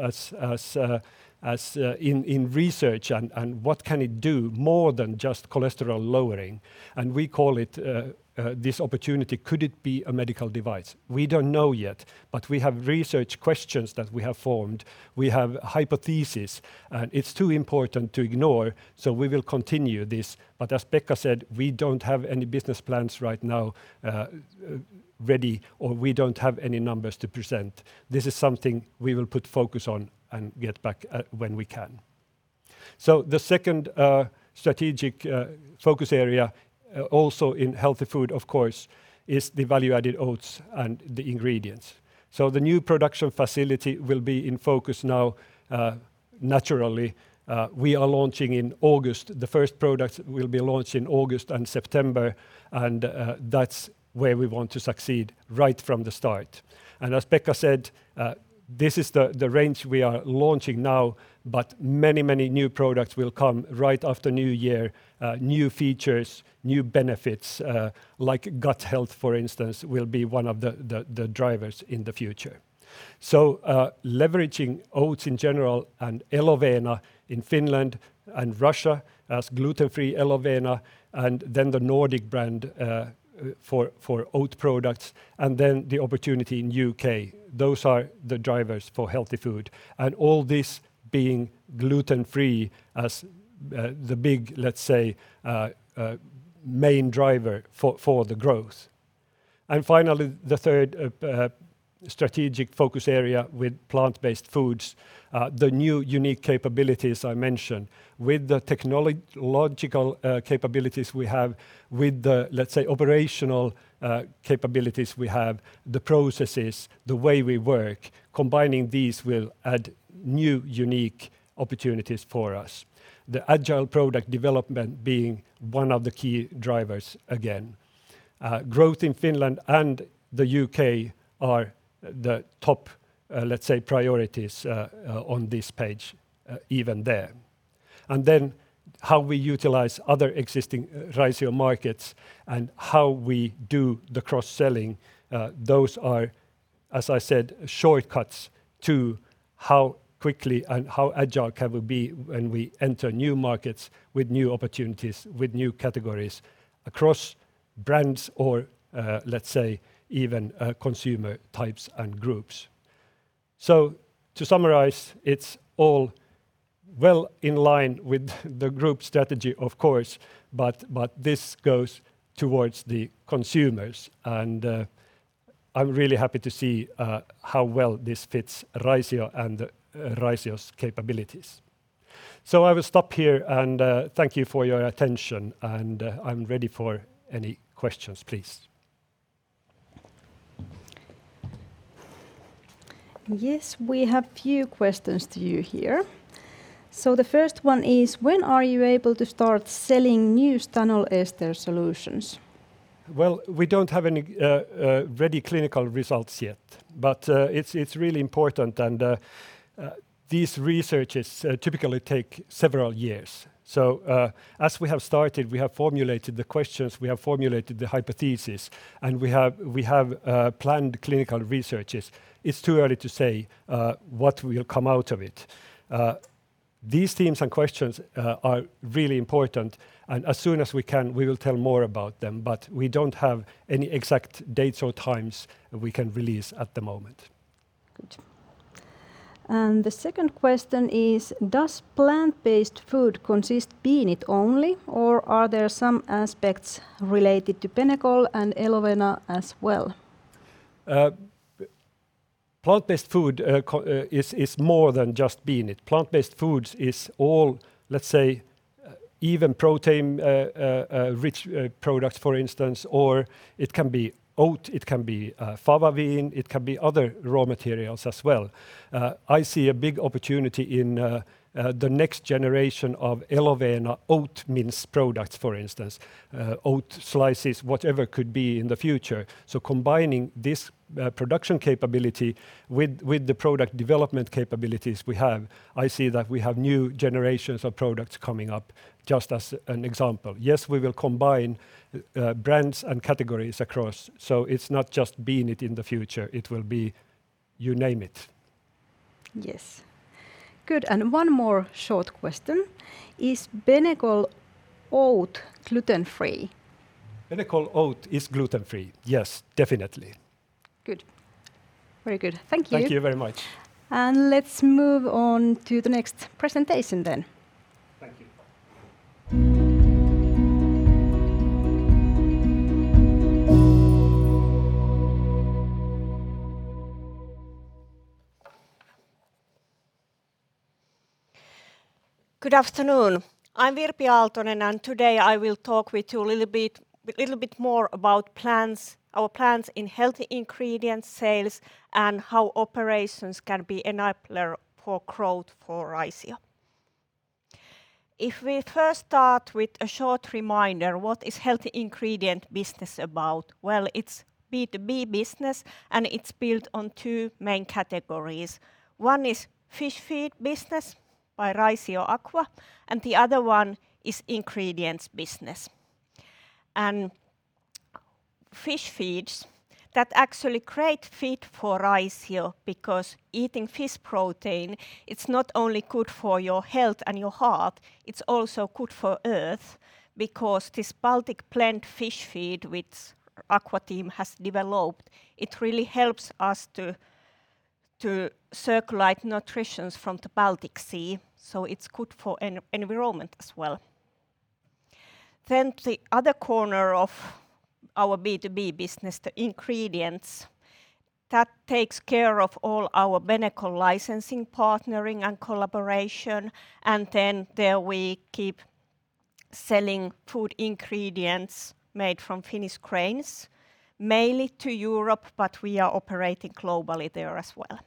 in research and what can it do more than just cholesterol lowering? We call it this opportunity, could it be a medical device? We don't know yet, but we have research questions that we have formed. We have hypothesis, and it's too important to ignore, so we will continue this. As Pekka said, we don't have any business plans right now ready, or we don't have any numbers to present. This is something we will put focus on and get back when we can. The second strategic focus area also in Healthy Food, of course, is the value-added oats and the ingredients. The new production facility will be in focus now, naturally. We are launching in August. The first product will be launched in August and September, and that's where we want to succeed right from the start. As Pekka said, this is the range we are launching now, but many new products will come right after New Year. New features, new benefits, like gut health, for instance, will be one of the drivers in the future. Leveraging oats in general and Elovena in Finland and Russia as gluten-free Elovena, and then the Nordic brand for oat products, and then the opportunity in U.K. Those are the drivers for Healthy Food. All this being gluten-free as the big, let's say, main driver for the growth. Finally, the third strategic focus area with plant-based foods, the new unique capabilities I mentioned. With the technological capabilities we have, with the, let's say, operational capabilities we have, the processes, the way we work, combining these will add new, unique opportunities for us. The agile product development being one of the key drivers again. Growth in Finland and the U.K. are the top, let's say, priorities on this page even there. Then how we utilize other existing Raisio markets and how we do the cross-selling. Those are, as I said, shortcuts to how quickly and how agile can we be when we enter new markets with new opportunities, with new categories across brands or, let's say, even consumer types and groups. To summarize, it's all well in line with the group strategy, of course, but this goes towards the consumers. I'm really happy to see how well this fits Raisio and Raisio's capabilities. I will stop here and thank you for your attention, and I'm ready for any questions, please. Yes, we have few questions to you here. The first one is, when are you able to start selling new stanol ester solutions? We don't have any very clinical results yet, but it's really important and these researches typically take several years. As we have started, we have formulated the questions, we have formulated the hypothesis, and we have planned clinical researches. It's too early to say what will come out of it. These themes and questions are really important, and as soon as we can, we will tell more about them, but we don't have any exact dates or times we can release at the moment. The second question is, does plant-based food consist Beanit only, or are there some aspects related to Benecol and Elovena as well? Plant-based food is more than just Beanit. Plant-based foods is all, let's say, even protein-rich products, for instance, or it can be oat, it can be fava bean, it can be other raw materials as well. I see a big opportunity in the next generation of Elovena oat mince products, for instance, oat slices, whatever could be in the future. Combining this production capability with the product development capabilities we have, I see that we have new generations of products coming up, just as an example. Yes, we will combine brands and categories across. It's not just Beanit in the future. It will be you name it. Yes. Good, one more short question. Is Benecol OAT gluten-free? Benecol OAT is gluten-free. Yes, definitely. Good. Very good. Thank you. Thank you very much. Let's move on to the next presentation then. Thank you. Good afternoon. I'm Virpi Aaltonen, and today I will talk with you a little bit more about our plans in healthy ingredient sales and how operations can be enabler for growth for Raisio. If we first start with a short reminder, what is healthy ingredient business about? Well, it's B2B business, and it's built on two main categories. One is fish feed business by Raisioaqua, and the other one is ingredients business. Fish feeds, that actually create feed for Raisio because eating fish protein, it's not only good for your health and your heart, it's also good for Earth because this Baltic Blend fish feed, which aqua team has developed, it really helps us to circulate nutritions from the Baltic Sea, so it's good for environment as well. The other corner of our B2B business, the ingredients. That takes care of all our Benecol licensing, partnering, and collaboration. Then there we keep selling food ingredients made from Finnish grains, mainly to Europe, but we are operating globally there as well.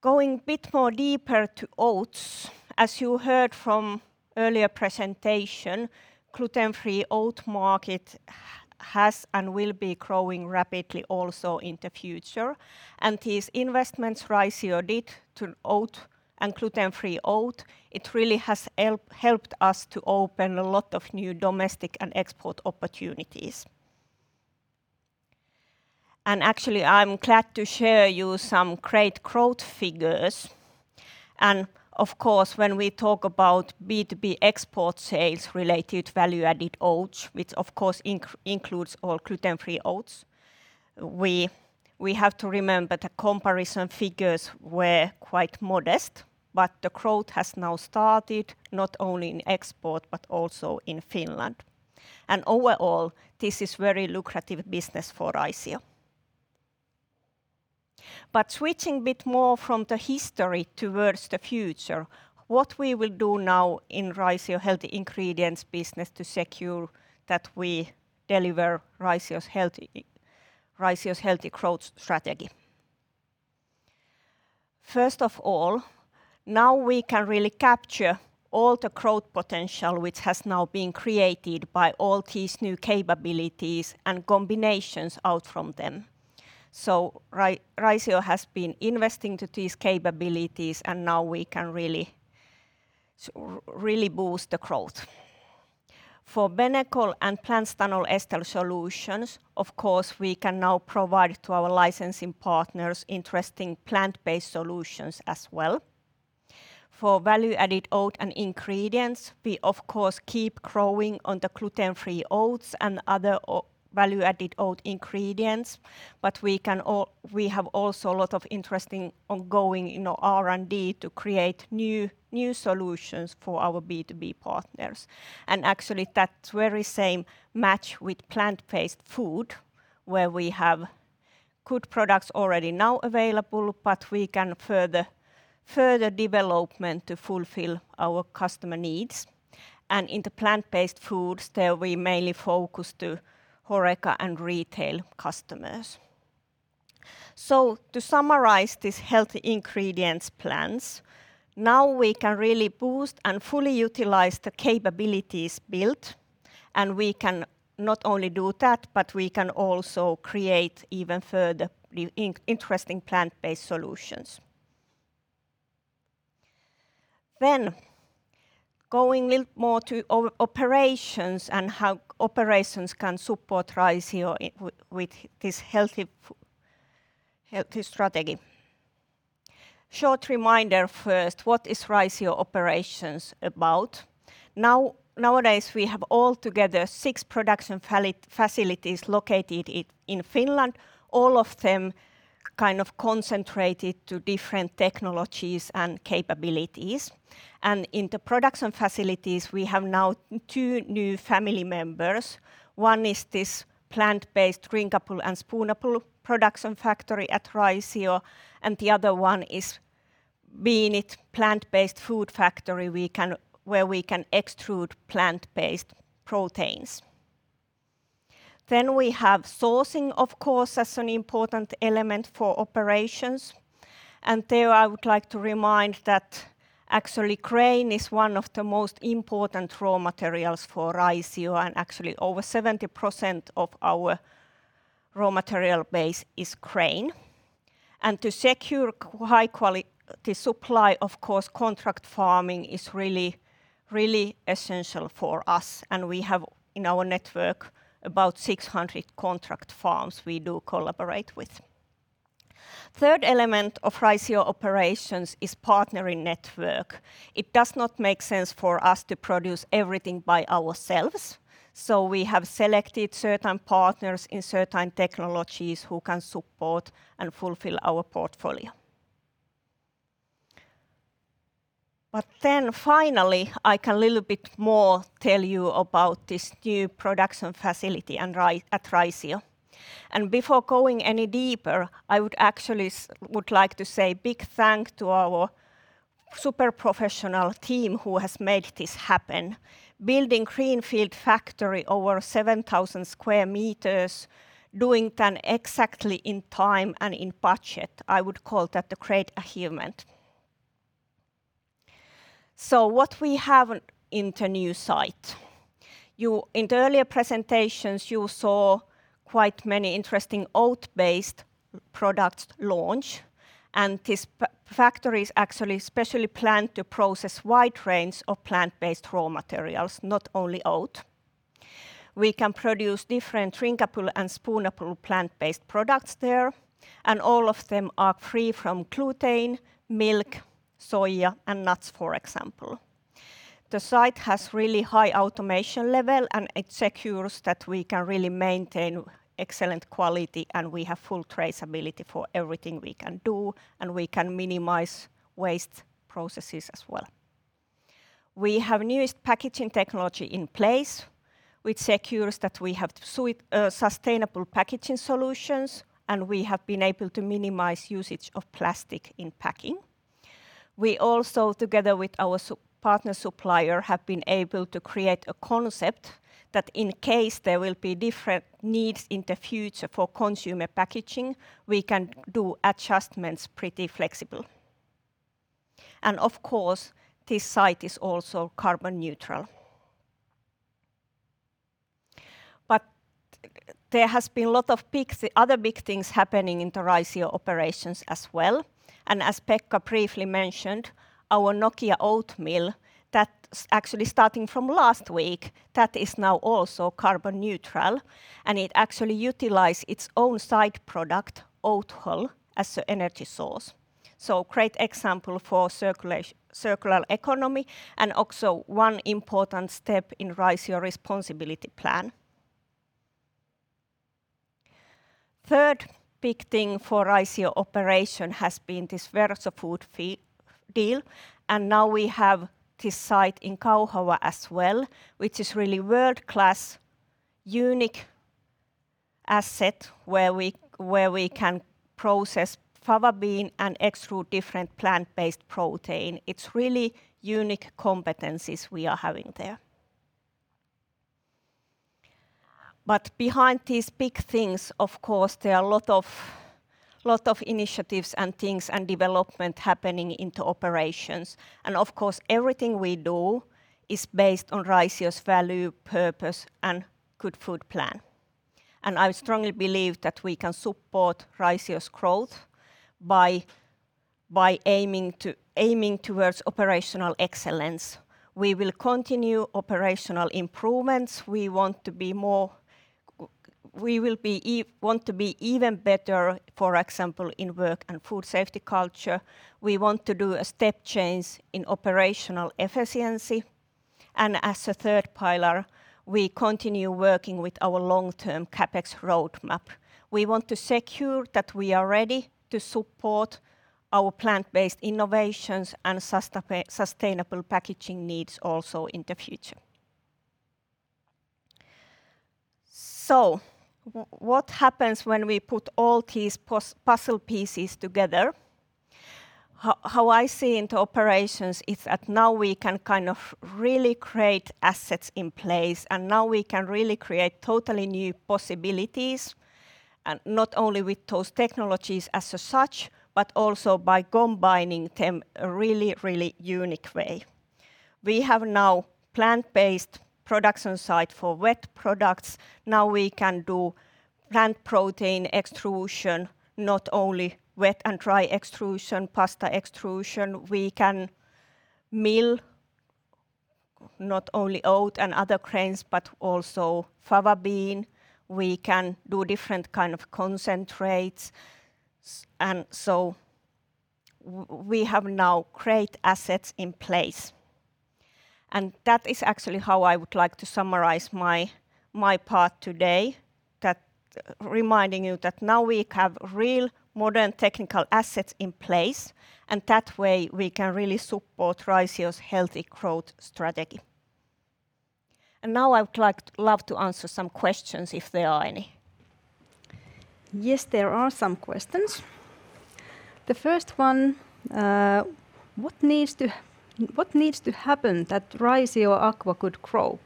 Going a bit more deeper to oats. As you heard from earlier presentation, gluten-free oat market has and will be growing rapidly also in the future. These investments Raisio did to oat and gluten-free oat, it really has helped us to open a lot of new domestic and export opportunities. Actually, I'm glad to share you some great growth figures. Of course, when we talk about B2B export sales related value-added oats, which of course includes all gluten-free oats, we have to remember the comparison figures were quite modest. The growth has now started, not only in export but also in Finland. Overall, this is very lucrative business for Raisio. Switching a bit more from the history towards the future, what we will do now in Raisio healthy ingredients business to secure that we deliver Raisio's healthy growth strategy. First of all, now we can really capture all the growth potential which has now been created by all these new capabilities and combinations out from them. Raisio has been investing to these capabilities, and now we can really boost the growth. For Benecol and plant stanol ester solutions, of course, we can now provide to our licensing partners interesting plant-based solutions as well. For value-added oat and ingredients, we of course keep growing on the gluten-free oats and other value-added oat ingredients. We have also a lot of interesting ongoing R&D to create new solutions for our B2B partners. Actually, that very same match with plant-based food, where we have good products already now available, but we can further development to fulfill our customer needs. In the plant-based foods, there we mainly focus to HoReCa and retail customers. To summarize these healthy ingredients plans, now we can really boost and fully utilize the capabilities built, and we can not only do that, but we can also create even further interesting plant-based solutions. Going a bit more to our operations and how operations can support Raisio with this healthy strategy. Short reminder first, what is Raisio operations about? Nowadays, we have altogether six production facilities located in Finland, all of them kind of concentrated to different technologies and capabilities. In the production facilities, we have now two new family members. One is this plant-based drinkable and spoonable production factory at Raisio. The other one is Beanit's plant-based food factory where we can extrude plant-based proteins. We have sourcing, of course, as an important element for operations. There, I would like to remind that actually grain is one of the most important raw materials for Raisio, and actually over 70% of our raw material base is grain. To secure high quality, the supply, of course, contract farming is really essential for us. We have in our network about 600 contract farms we do collaborate with. The third element of Raisio operations is partnering network. It does not make sense for us to produce everything by ourselves, so we have selected certain partners in certain technologies who can support and fulfill our portfolio. I can tell you a little bit more about this new production facility at Raisio. I would like to say a big thanks to our super professional team who has made this happen. Building a greenfield factory over 7,000 square meters, doing that exactly in time and in budget, I would call that a great achievement. What we have in the new site? In earlier presentations, you saw quite many interesting oat-based product launches, and this factory is actually specially planned to process a wide range of plant-based raw materials, not only oat. We can produce different drinkable and spoonable plant-based products there, and all of them are free from gluten, milk, soy, and nuts, for example. The site has a really high automation level. It secures that we can really maintain excellent quality. We have full traceability for everything we can do. We can minimize waste processes as well. We have the newest packaging technology in place, which secures that we have sustainable packaging solutions. We have been able to minimize usage of plastic in packing. We also, together with our partner supplier, have been able to create a concept that in case there will be different needs in the future for consumer packaging, we can do adjustments pretty flexibly. Of course, this site is also carbon neutral. There has been a lot of other big things happening in the Raisio operations as well. As Pekka briefly mentioned, our Nokia oat mill, that actually starting from last week, that is now also carbon neutral. It actually utilizes its own side product, oat hull, as an energy source. A great example of circular economy and also one important step in Raisio's responsibility plan. Third big thing for Raisio operation has been this Verso Food deal. Now we have this site in Kauhava as well, which is really a world-class, unique asset where we can process fava bean and extrude different plant-based protein. It's really unique competencies we are having there. Behind these big things, of course, there are a lot of initiatives and things and development happening in the operations. Of course, everything we do is based on Raisio's value, purpose, and Good Food Plan. I strongly believe that we can support Raisio's growth by aiming towards operational excellence. We will continue operational improvements. We want to be even better, for example, in work and food safety culture. We want to do a step change in operational efficiency. As a third pillar, we continue working with our long-term CapEx roadmap. We want to secure that we are ready to support our plant-based innovations and sustainable packaging needs also in the future. What happens when we put all these puzzle pieces together? How I see it in operations is that now we can kind of really create assets in place, and now we can really create totally new possibilities, and not only with those technologies as such, but also by combining them in a really unique way. We have now a plant-based production site for wet products. Now we can do plant protein extrusion, not only wet and dry extrusion, pasta extrusion. We can mill not only oat and other grains, but also fava bean. We can do different kinds of concentrates. We now have great assets in place. That is actually how I would like to summarize my part today, reminding you that now we have real modern technical assets in place, and that way we can really support Raisio's healthy growth strategy. Now I would love to answer some questions if there are any. Yes, there are some questions. The first one, what needs to happen that Raisioaqua could grow?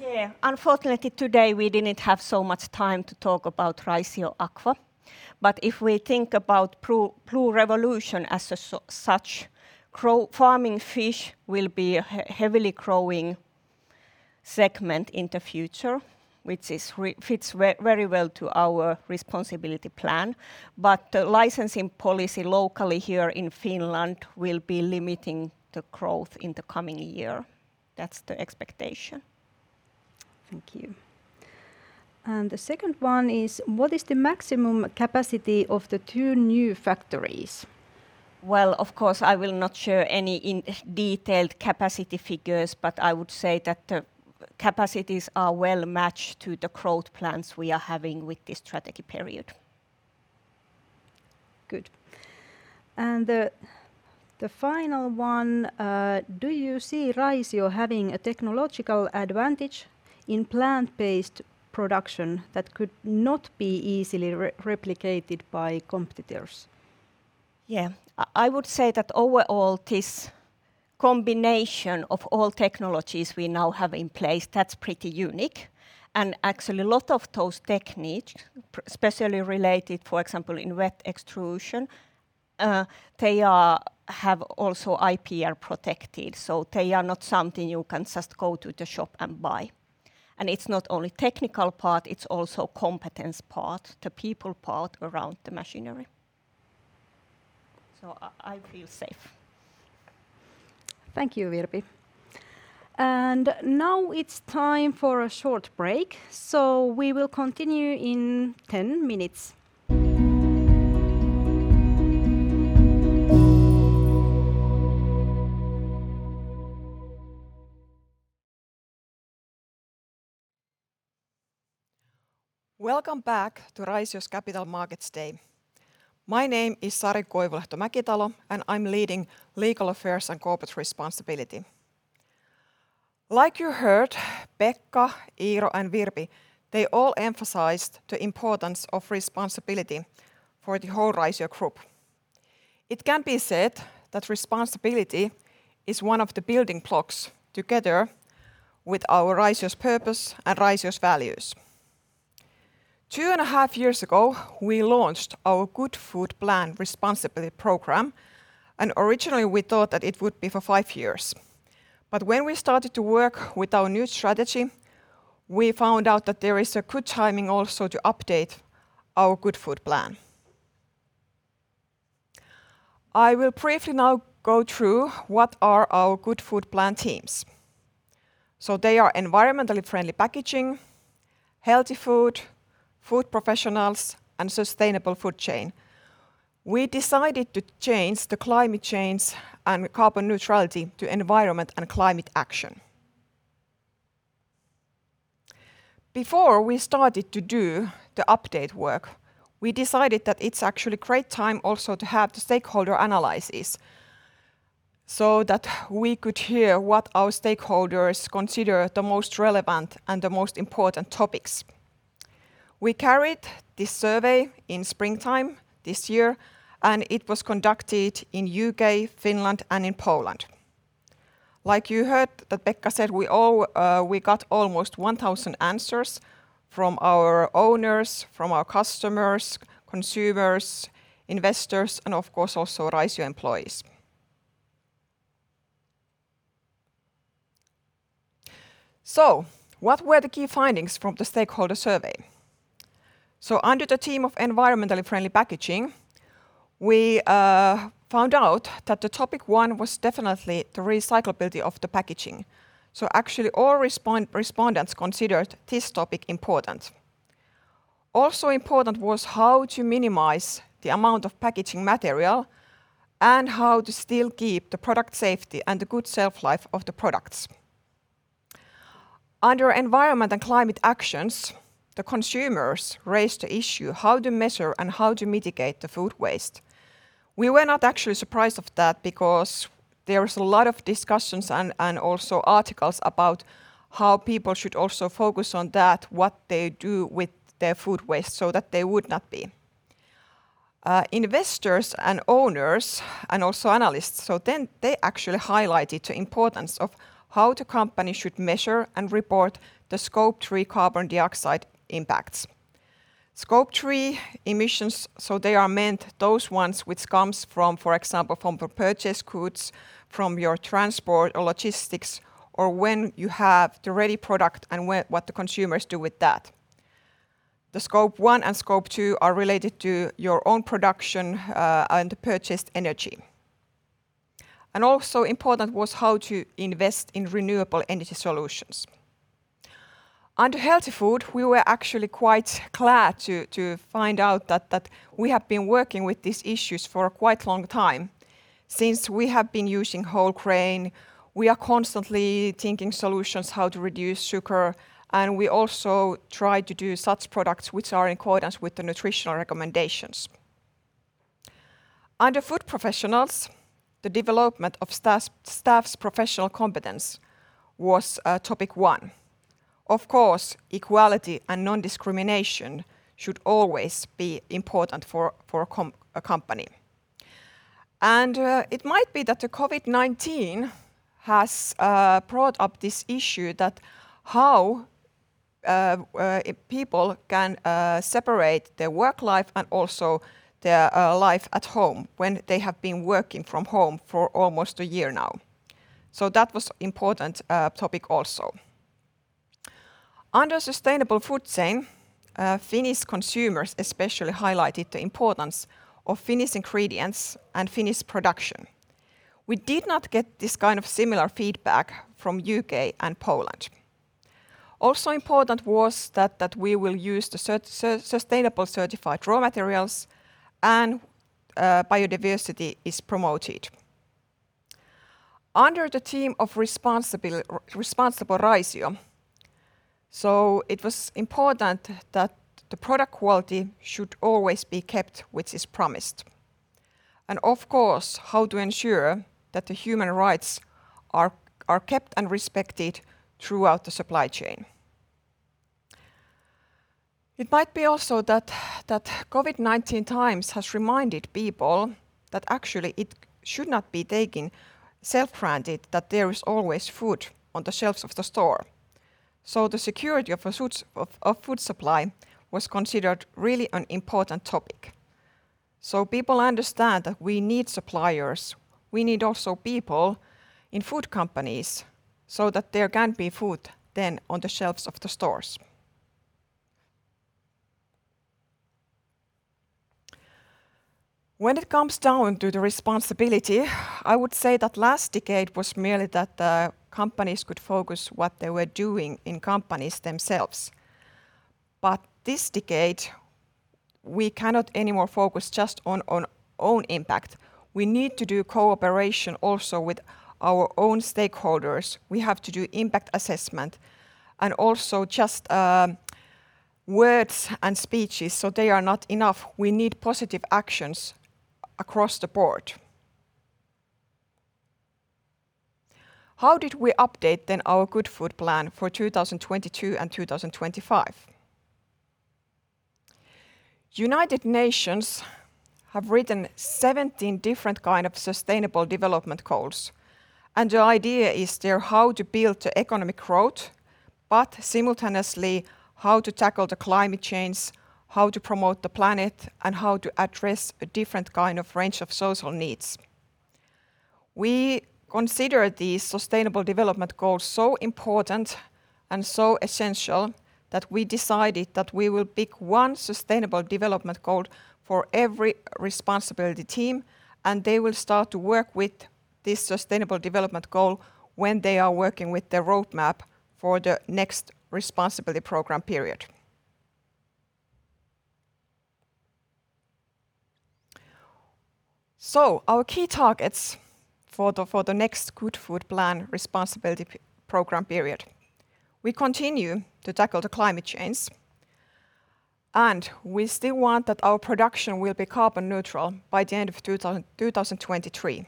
Yeah, unfortunately, today we didn't have so much time to talk about Raisioaqua. If we think about blue revolution as such, farming fish will be a heavily growing segment in the future, which fits very well to our responsibility plan. The licensing policy locally here in Finland will be limiting the growth in the coming year. That's the expectation. Thank you. The second one is, what is the maximum capacity of the two new factories? Of course, I will not share any detailed capacity figures, but I would say that the capacities are well-matched to the growth plans we are having with this strategy period. Good. The final one, do you see Raisio having a technological advantage in plant-based production that could not be easily replicated by competitors? I would say that overall, this combination of all technologies we now have in place, that's pretty unique. Actually, a lot of those techniques, especially related, for example, in wet extrusion, they have also IPR protected. They are not something you can just go to the shop and buy. It's not only technical part, it's also competence part, the people part around the machinery. I feel safe. Thank you, Virpi. Now it's time for a short break, so we will continue in 10 minutes. Welcome back to Raisio's Capital Markets Day. My name is Sari Koivulehto-Mäkitalo, and I'm leading legal affairs and corporate responsibility. Like you heard, Pekka, Iiro, and Virpi, they all emphasized the importance of responsibility for the whole Raisio Group. It can be said that responsibility is one of the building blocks together with our Raisio's purpose and Raisio's values. Two and a half years ago, we launched our Good Food Plan responsibility program, and originally we thought that it would be for five years. When we started to work with our new strategy, we found out that there is a good timing also to update our Good Food Plan. I will briefly now go through what are our Good Food Plan themes. They are environmentally friendly packaging, healthy food professionals, and sustainable food chain. We decided to change the climate change and carbon neutrality to environment and climate action. Before we started to do the update work, we decided that it's actually a great time also to have the stakeholder analysis, so that we could hear what our stakeholders consider the most relevant and the most important topics. We carried this survey in springtime this year, and it was conducted in U.K., Finland, and in Poland. Like you heard, Pekka said, we got almost 1,000 answers from our owners, from our customers, consumers, investors, and of course also Raisio employees. What were the key findings from the stakeholder survey? Under the theme of environmentally friendly packaging, we found out that the topic one was definitely the recyclability of the packaging. Actually all respondents considered this topic important. Also important was how to minimize the amount of packaging material and how to still keep the product safety and the good shelf life of the products. Under environment and climate actions, the consumers raised the issue how to measure and how to mitigate the food waste. We were not actually surprised of that because there is a lot of discussions and also articles about how people should also focus on that, what they do with their food waste. Investors and owners and also analysts actually highlighted the importance of how the company should measure and report the Scope 3 carbon dioxide impacts. Scope 3 emissions, so they are meant those ones which comes from, for example, from the purchased goods, from your transport or logistics, or when you have the ready product and what the consumers do with that. Scope 1 and Scope 2 are related to your own production and purchased energy. Also important was how to invest in renewable energy solutions. Under healthy food, we were actually quite glad to find out that we have been working with these issues for quite a long time. Since we have been using whole grain, we are constantly thinking solutions how to reduce sugar, and we also try to do such products which are in accordance with the nutritional recommendations. Under food professionals, the development of staff's professional competence was topic one. Of course, equality and non-discrimination should always be important for a company. It might be that the COVID-19 has brought up this issue that how people can separate their work life and also their life at home when they have been working from home for almost a year now. That was important topic also. Under sustainable food chain, Finnish consumers especially highlighted the importance of Finnish ingredients and Finnish production. We did not get this kind of similar feedback from U.K. and Poland. Important was that we will use the sustainable certified raw materials and biodiversity is promoted. Under the theme of responsible Raisio, it was important that the product quality should always be kept which is promised. Of course, how to ensure that the human rights are kept and respected throughout the supply chain. It might be also that COVID-19 times has reminded people that actually it should not be taken for granted that there is always food on the shelves of the store. The security of food supply was considered really an important topic. People understand that we need suppliers. We need also people in food companies so that there can be food then on the shelves of the stores. When it comes down to the responsibility, I would say that last decade was merely that the companies could focus what they were doing in companies themselves. This decade, we cannot anymore focus just on our own impact. We need to do cooperation also with our own stakeholders. We have to do impact assessment, and also just words and speeches, they are not enough. We need positive actions across the board. How did we update then our Good Food Plan for 2022 and 2025? United Nations have written 17 different kind of sustainable development goals, and the idea is there how to build the economic growth, but simultaneously, how to tackle the climate change, how to promote the planet, and how to address a different kind of range of social needs. We consider these sustainable development goals so important and so essential that we decided that we will pick one sustainable development goal for every responsibility team, and they will start to work with this sustainable development goal when they are working with their roadmap for the next responsibility program period. Our key targets for the next Good Food Plan responsibility program period. We continue to tackle the climate change, and we still want that our production will be carbon neutral by the end of 2023.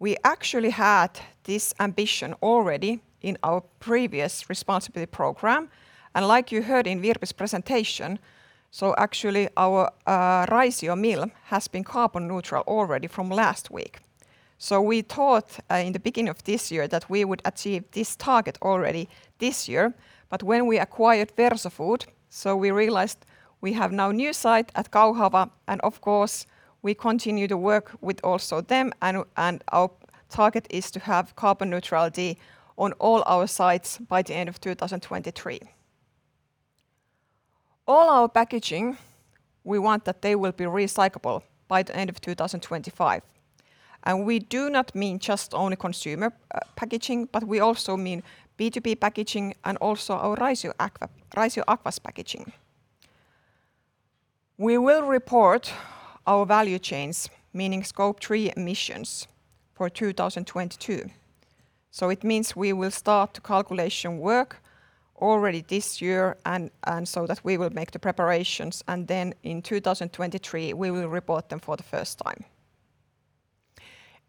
We actually had this ambition already in our previous responsibility program. Like you heard in Virpi's presentation, actually our Raisio mill has been carbon neutral already from last week. We thought in the beginning of this year that we would achieve this target already this year. When we acquired Verso Food, we realized we have now new site at Kauhava. Of course, we continue to work with also them. Our target is to have carbon neutrality on all our sites by the end of 2023. All our packaging, we want that they will be recyclable by the end of 2025. We do not mean just only consumer packaging. We also mean B2B packaging and also our Raisioaqua packaging. We will report our value chains, meaning Scope 3 emissions for 2022. It means we will start the calculation work already this year. We will make the preparations, and in 2023, we will report them for the first time.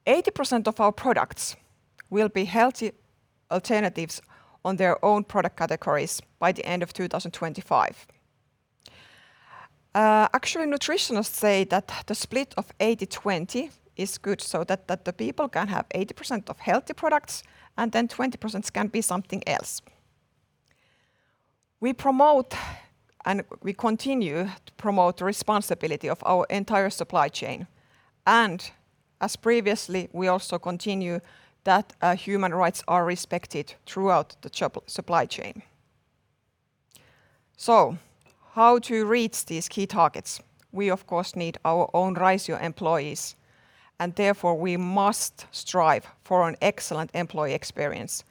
80% of our products will be healthy alternatives on their own product categories by the end of 2025. Actually, nutritionists say that the split of 80/20 is good so that the people can have 80% of healthy products, and then 20% can be something else. We promote and we continue to promote the responsibility of our entire supply chain. As previously, we also continue that human rights are respected throughout the supply chain. How to reach these key targets? We of course need our own Raisio employees, and therefore we must strive for an excellent employee experience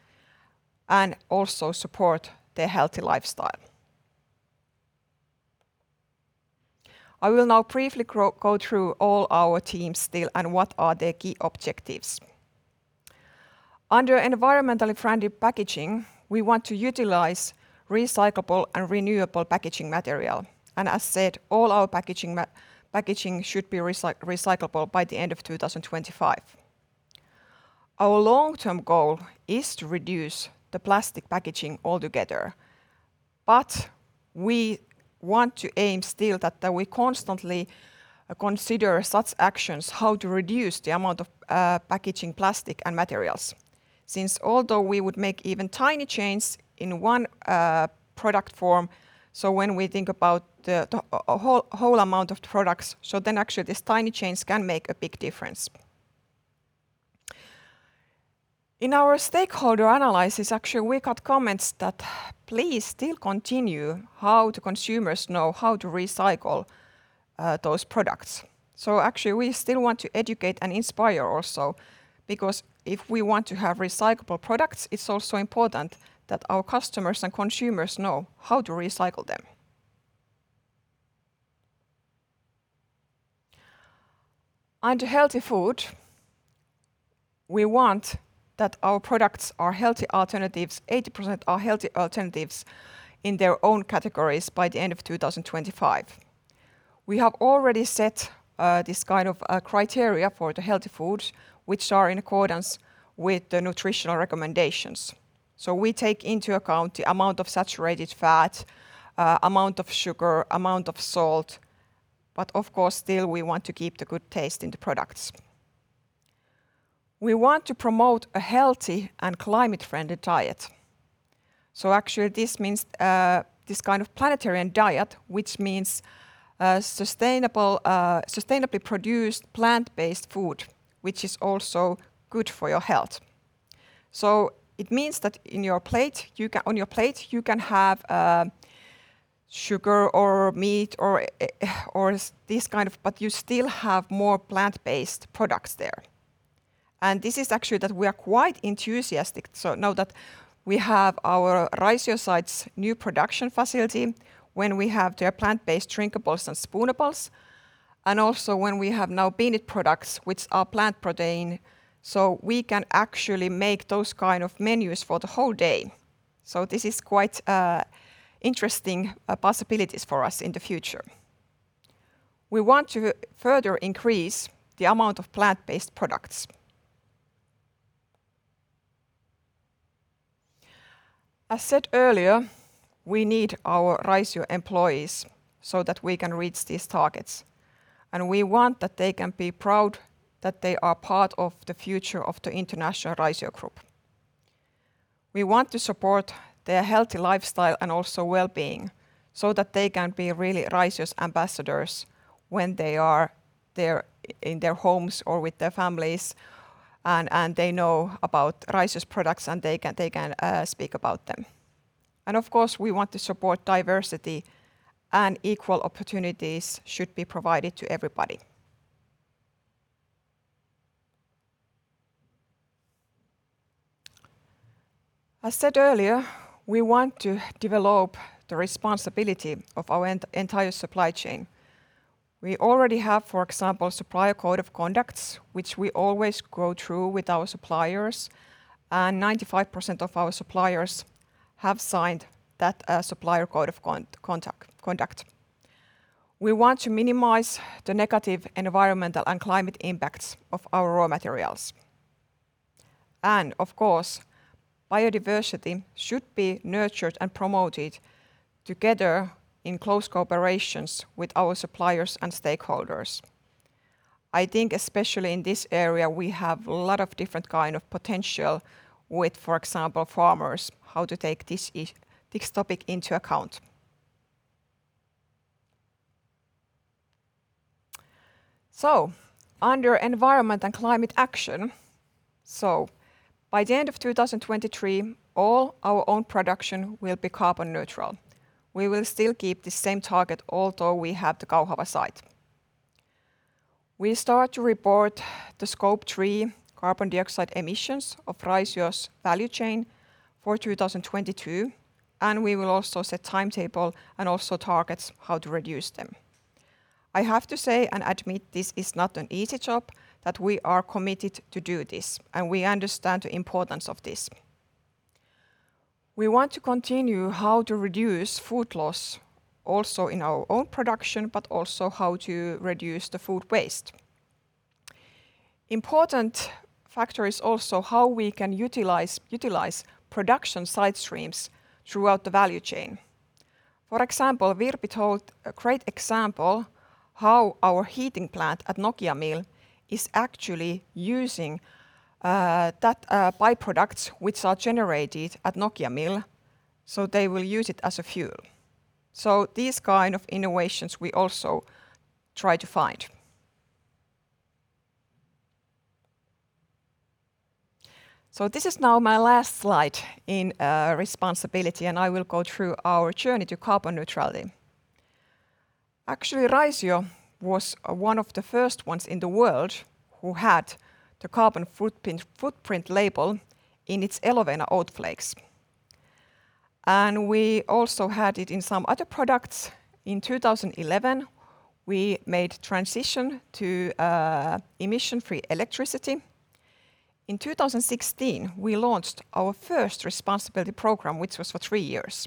and also support their healthy lifestyle. I will now briefly go through all our teams still and what are their key objectives. Under environmentally friendly packaging, we want to utilize recyclable and renewable packaging material. As said, all our packaging should be recyclable by the end of 2025. Our long-term goal is to reduce the plastic packaging altogether. We want to aim still that we constantly consider such actions, how to reduce the amount of packaging plastic and materials. Although we would make even tiny changes in one product form, when we think about the whole amount of products, actually these tiny changes can make a big difference. In our stakeholder analysis, actually, we got comments that please still continue how the consumers know how to recycle those products. Actually, we still want to educate and inspire also, because if we want to have recyclable products, it's also important that our customers and consumers know how to recycle them. Under healthy food, we want that our products are healthy alternatives, 80% are healthy alternatives in their own categories by the end of 2025. We have already set this kind of criteria for the healthy foods, which are in accordance with the nutritional recommendations. We take into account the amount of saturated fat, amount of sugar, amount of salt. Of course, still we want to keep the good taste in the products. We want to promote a healthy and climate-friendly diet. Actually, this means this kind of planetarian diet, which means sustainably produced plant-based food, which is also good for your health. It means that on your plate, you can have sugar or meat or this kind of, but you still have more plant-based products there. This is actually that we are quite enthusiastic. Know that we have our Raisio sites new production facility when we have their plant-based drinkables and spoonables, and also when we have now Beanit products, which are plant protein, so we can actually make those kind of menus for the whole day. This is quite interesting possibilities for us in the future. We want to further increase the amount of plant-based products. As said earlier, we need our Raisio employees so that we can reach these targets, and we want that they can be proud that they are part of the future of the international Raisio Group. We want to support their healthy lifestyle and also wellbeing, so that they can be really Raisio's ambassadors when they are there in their homes or with their families and they know about Raisio's products and they can speak about them. Of course, we want to support diversity and equal opportunities should be provided to everybody. As said earlier, we want to develop the responsibility of our entire supply chain. We already have, for example, supplier code of conducts, which we always go through with our suppliers, and 95% of our suppliers have signed that supplier code of conduct. We want to minimize the negative environmental and climate impacts of our raw materials. Of course, biodiversity should be nurtured and promoted together in close cooperations with our suppliers and stakeholders. I think especially in this area, we have a lot of different kind of potential with, for example, farmers, how to take this topic into account. Under environment and climate action. By the end of 2023, all our own production will be carbon neutral. We will still keep the same target, although we have the Kauhava site. We start to report the Scope 3 carbon dioxide emissions of Raisio's value chain for 2022, and we will also set timetable and also targets how to reduce them. I have to say and admit this is not an easy job, but we are committed to do this, and we understand the importance of this. We want to continue how to reduce food loss also in our own production, but also how to reduce the food waste. Important factor is also how we can utilize production side streams throughout the value chain. For example, Virpi told a great example how our heating plant at Nokia mill is actually using that by-product, which are generated at Nokia mill, so they will use it as a fuel. These kind of innovations we also try to find. This is now my last slide in responsibility, and I will go through our journey to carbon neutrality. Actually, Raisio was one of the first ones in the world who had the carbon footprint label in its Elovena oat flakes. We also had it in some other products. In 2011, we made transition to emission-free electricity. In 2016, we launched our first responsibility program, which was for three years.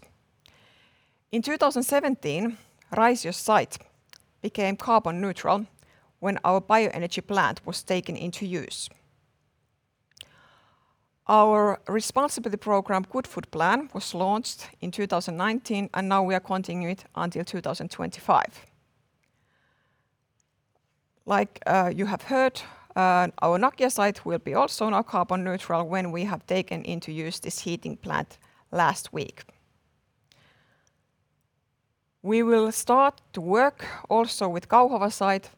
In 2017, Raisio site became carbon neutral when our bioenergy plant was taken into use. Our responsibility program, Good Food Plan, was launched in 2019, and now we are continuing it until 2025. Like you have heard, our Nokia mill will be also now carbon neutral when we have taken into use this heating plant last week. We will start to work also with Kauhava site,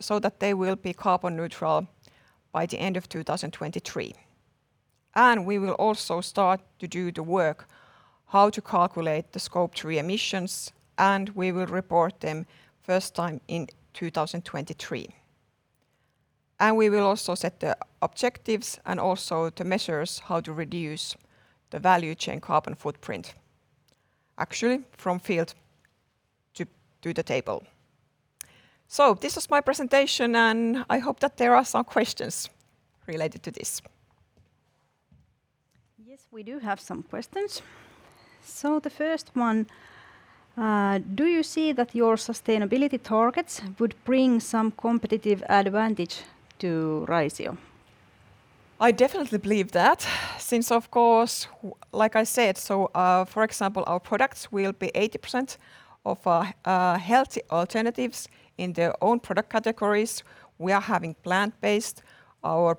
so that they will be carbon neutral by the end of 2023. We will also start to do the work how to calculate the Scope 3 emissions. We will report them first time in 2023. We will also set the objectives and also the measures how to reduce the value chain carbon footprint actually from field to the table. This is my presentation, and I hope that there are some questions related to this. Yes, we do have some questions. The first one, do you see that your sustainability targets would bring some competitive advantage to Raisio? I definitely believe that since, of course, like I said, for example, our products will be 80% of healthy alternatives in their own product categories. We are having plant-based, our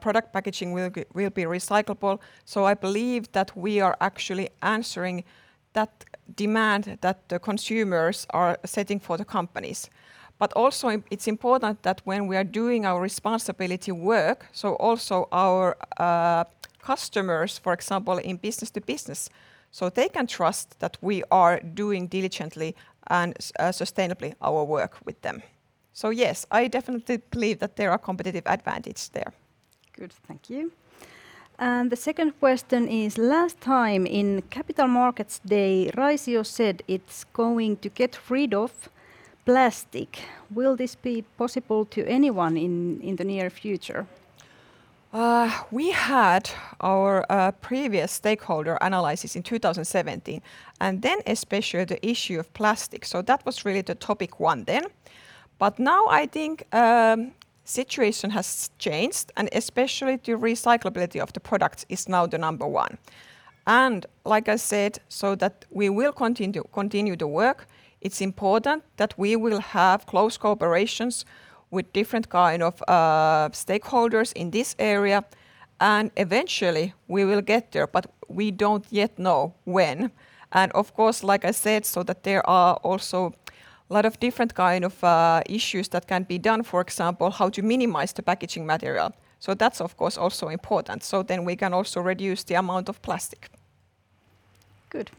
product packaging will be recyclable. I believe that we are actually answering that demand that the consumers are setting for the companies. Also, it's important that when we are doing our responsibility work, also our customers, for example, in B2B, they can trust that we are doing diligently and sustainably our work with them. Yes, I definitely believe that there are competitive advantage there. Good. Thank you. The second question is, last time in Capital Markets Day, Raisio said it's going to get rid of plastic. Will this be possible to anyone in the near future? We had our previous stakeholder analysis in 2017, and then especially the issue of plastic. That was really the topic one then. Now I think situation has changed, and especially the recyclability of the product is now the number one. Like I said, so that we will continue to work, it's important that we will have close cooperations with different kind of stakeholders in this area, and eventually we will get there, but we don't yet know when. Of course, like I said, so that there are also a lot of different kind of issues that can be done, for example, how to minimize the packaging material. That's of course, also important. Then we can also reduce the amount of plastic. Good.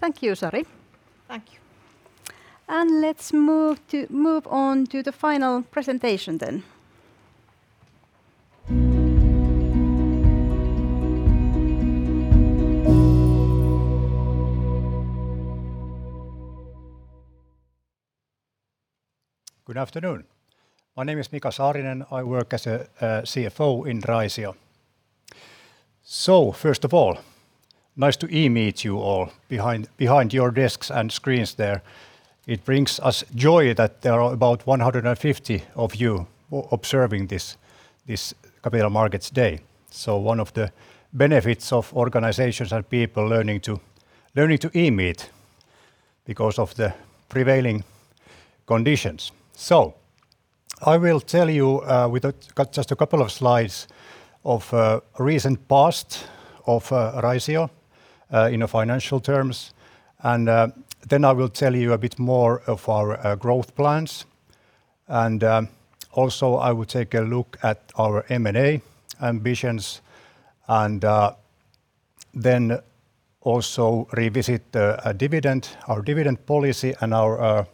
Thank you, Sari. Thank you. Let's move on to the final presentation then. Good afternoon. My name is Mika Saarinen. I work as a CFO in Raisio. First of all, nice to e-meet you all behind your desks and screens there. It brings us joy that there are about 150 of you observing this Capital Markets Day. One of the benefits of organizations and people learning to e-meet because of the prevailing conditions. I will tell you with just a couple of slides of recent past of Raisio in financial terms, and then I will tell you a bit more of our growth plans. Also I will take a look at our M&A ambitions and then also revisit our dividend policy and our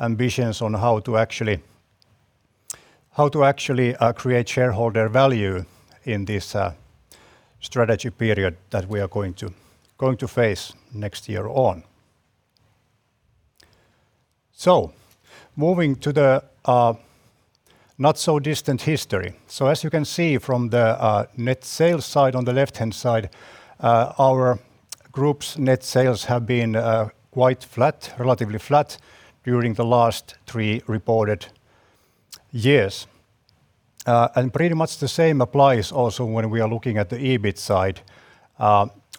ambitions on how to actually create shareholder value in this strategy period that we are going to face next year on. Moving to the not so distant history. As you can see from the net sales side on the left-hand side, our group's net sales have been quite relatively flat during the last three reported years. Pretty much the same applies also when we are looking at the EBIT side.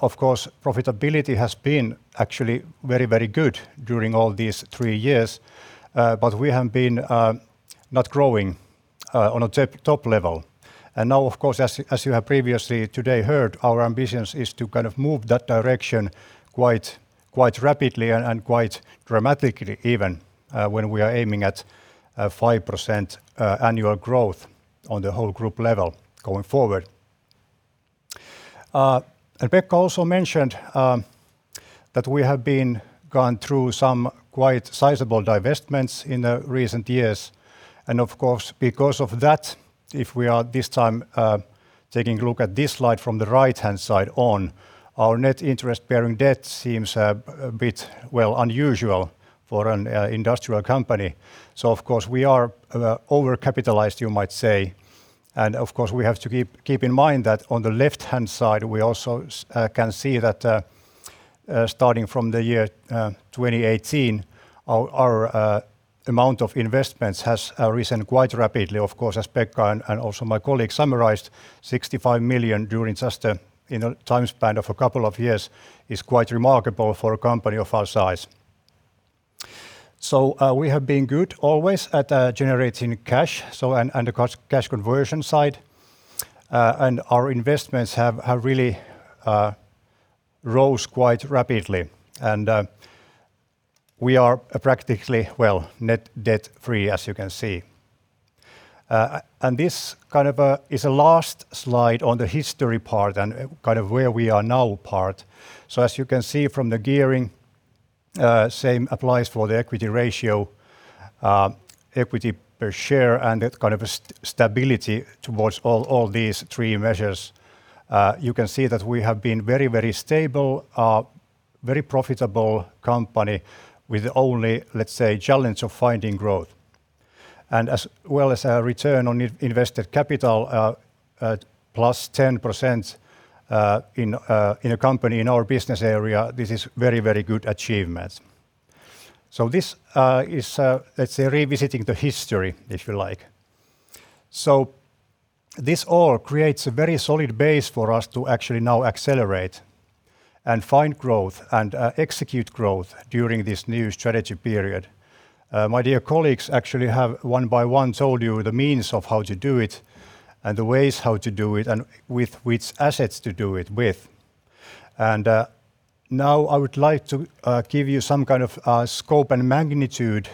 Of course, profitability has been actually very good during all these three years, but we have been not growing on a top level. Now, of course, as you have previously today heard, our ambitions is to kind of move that direction quite rapidly and quite dramatically even, when we are aiming at 5% annual growth on the whole group level going forward. Pekka also mentioned that we have been going through some quite sizable divestments in recent years. Of course, because of that, if we are this time taking a look at this slide from the right-hand side on, our net interest bearing debt seems a bit, well, unusual for an industrial company. Of course, we are overcapitalized, you might say. Of course, we have to keep in mind that on the left-hand side, we also can see that starting from the year 2018, our amount of investments has risen quite rapidly. Of course, as Pekka and also my colleague summarized, 65 million during just a time span of a couple of years is quite remarkable for a company of our size. We have been good always at generating cash and the cash conversion side. Our investments have really rose quite rapidly. We are practically well net debt-free, as you can see. This is a last slide on the history part and where we are now part. As you can see from the gearing, same applies for the equity ratio, equity per share, and stability towards all these three measures. You can see that we have been very stable, very profitable company with only, let's say, challenge of finding growth. As well as a return on invested capital at +10% in a company in our business area, this is very good achievement. This is, let's say, revisiting the history, if you like. This all creates a very solid base for us to actually now accelerate and find growth and execute growth during this new strategy period. My dear colleagues actually have one by one told you the means of how to do it, and the ways how to do it, and with which assets to do it with. Now I would like to give you some kind of scope and magnitude,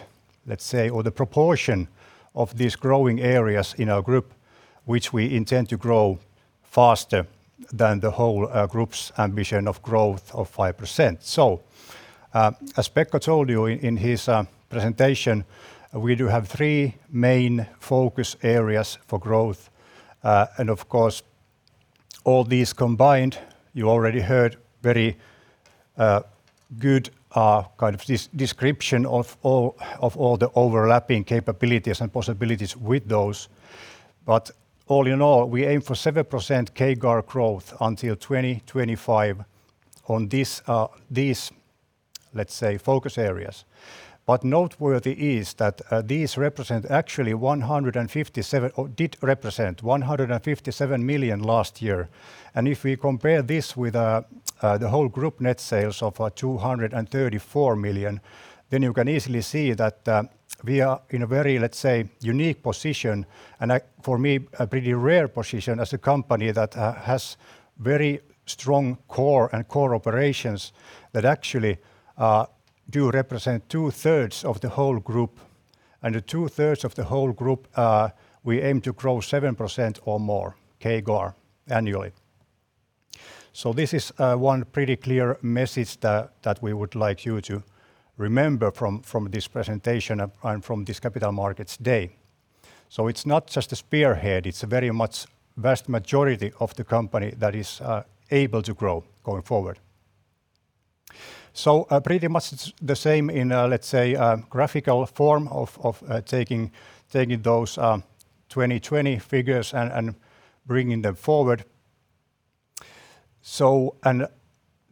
let's say, or the proportion of these growing areas in our group, which we intend to grow faster than the whole group's ambition of growth of 5%. As Pekka told you in his presentation, we do have three main focus areas for growth. Of course, all these combined, you already heard very good kind of description of all the overlapping capabilities and possibilities with those. All in all, we aim for 7% CAGR growth until 2025 on these, let's say, focus areas. Noteworthy is that these did represent 157 million last year. If we compare this with the whole group net sales of 234 million, you can easily see that we are in a very, let's say, unique position, and for me, a pretty rare position as a company that has very strong core and core operations that actually do represent two-thirds of the whole group. The two-thirds of the whole group, we aim to grow 7% or more CAGR annually. This is one pretty clear message that we would like you to remember from this presentation and from this capital markets day. It's not just a spearhead, it's a very much vast majority of the company that is able to grow going forward. Pretty much the same in a, let's say, graphical form of taking those 2020 figures and bringing them forward.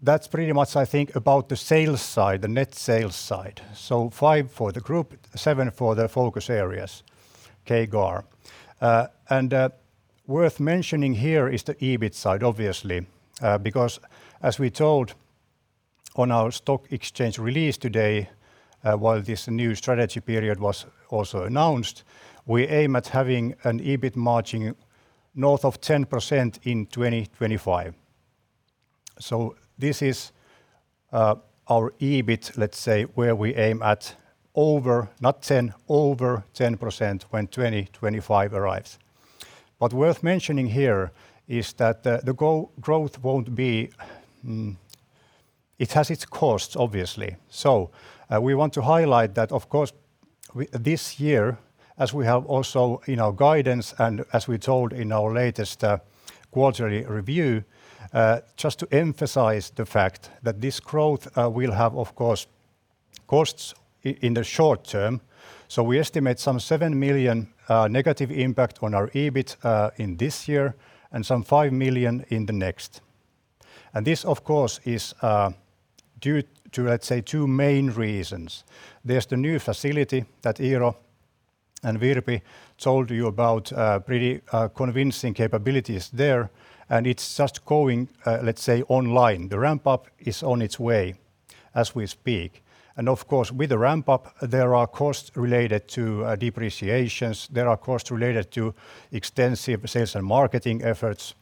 That's pretty much I think about the sales side, the net sales side. 5% for the group, 7% for the focus areas, CAGR. Worth mentioning here is the EBIT side, obviously. As we told on our stock exchange release today, while this new strategy period was also announced, we aim at having an EBIT margin north of 10% in 2025. This is our EBIT, let's say, where we aim at over, not 10%, over 10% when 2025 arrives. Worth mentioning here is that the growth won't be. It has its cost, obviously. We want to highlight that of course this year, as we have also in our guidance and as we told in our latest quarterly review, just to emphasize the fact that this growth will have, of course, costs in the short term. We estimate some 7 million negative impact on our EBIT in this year and some 5 million in the next. This, of course, is due to two main reasons. There's the new facility that Iiro and Virpi told you about, pretty convincing capabilities there. It's just going online. The ramp-up is on its way as we speak. Of course, with the ramp-up, there are costs related to depreciations, there are costs related to extensive sales and marketing efforts,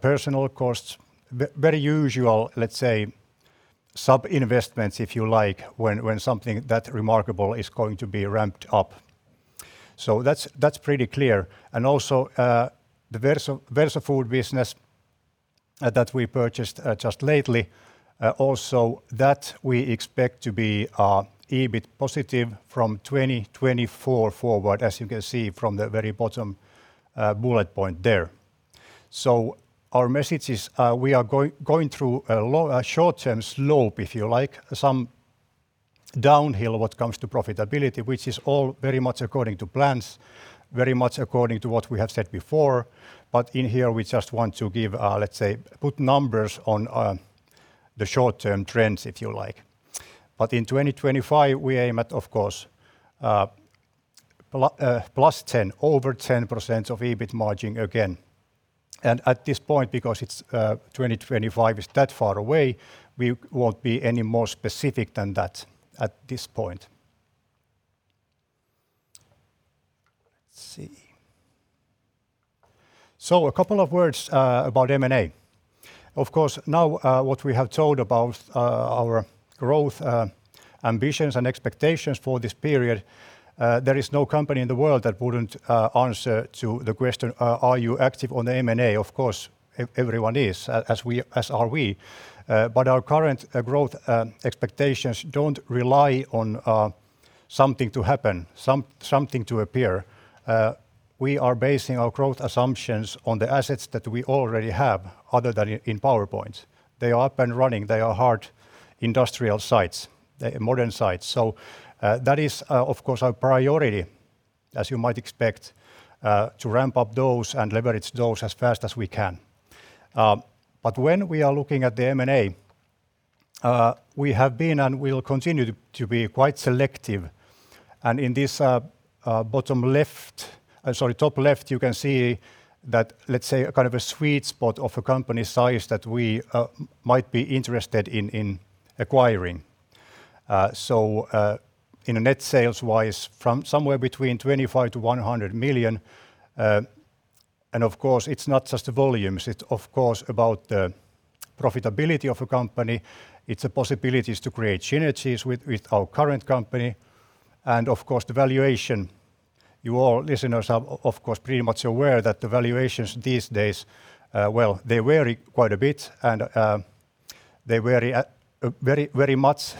personal costs, very usual sub-investments, if you like, when something that remarkable is going to be ramped up. That's pretty clear. Also, the Verso Food business that we purchased just lately, also that we expect to be EBIT positive from 2024 forward, as you can see from the very bottom bullet point there. Our message is we are going through a short-term slope, if you like, some downhill when it comes to profitability, which is all very much according to plans, very much according to what we have said before. In here, we just want to give, let's say, put numbers on the short-term trends, if you like. In 2025, we aim at, of course, +10, over 10% of EBIT margin again. At this point, because 2025 is that far away, we won't be any more specific than that at this point. Let's see. A couple of words about M&A. Of course, now what we have told about our growth ambitions and expectations for this period, there is no company in the world that wouldn't answer to the question, "Are you active on M&A?" Of course, everyone is, as are we. Our current growth expectations don't rely on something to happen, something to appear. We are basing our growth assumptions on the assets that we already have other than in PowerPoint. They are up and running. They are hard, industrial sites, modern sites. That is, of course, our priority, as you might expect, to ramp up those and leverage those as fast as we can. When we are looking at the M&A, we have been and will continue to be quite selective. In this bottom left sorry top left, you can see that, let's say, a sweet spot of a company size that we might be interested in acquiring. In net sales wise, from somewhere between 25 million-100 million, and of course, it's not just the volumes, it's of course about the profitability of a company. It's the possibilities to create synergies with our current company, and of course, the valuation. You all listeners are, of course, pretty much aware that the valuations these days, well, they vary quite a bit, and they vary very much,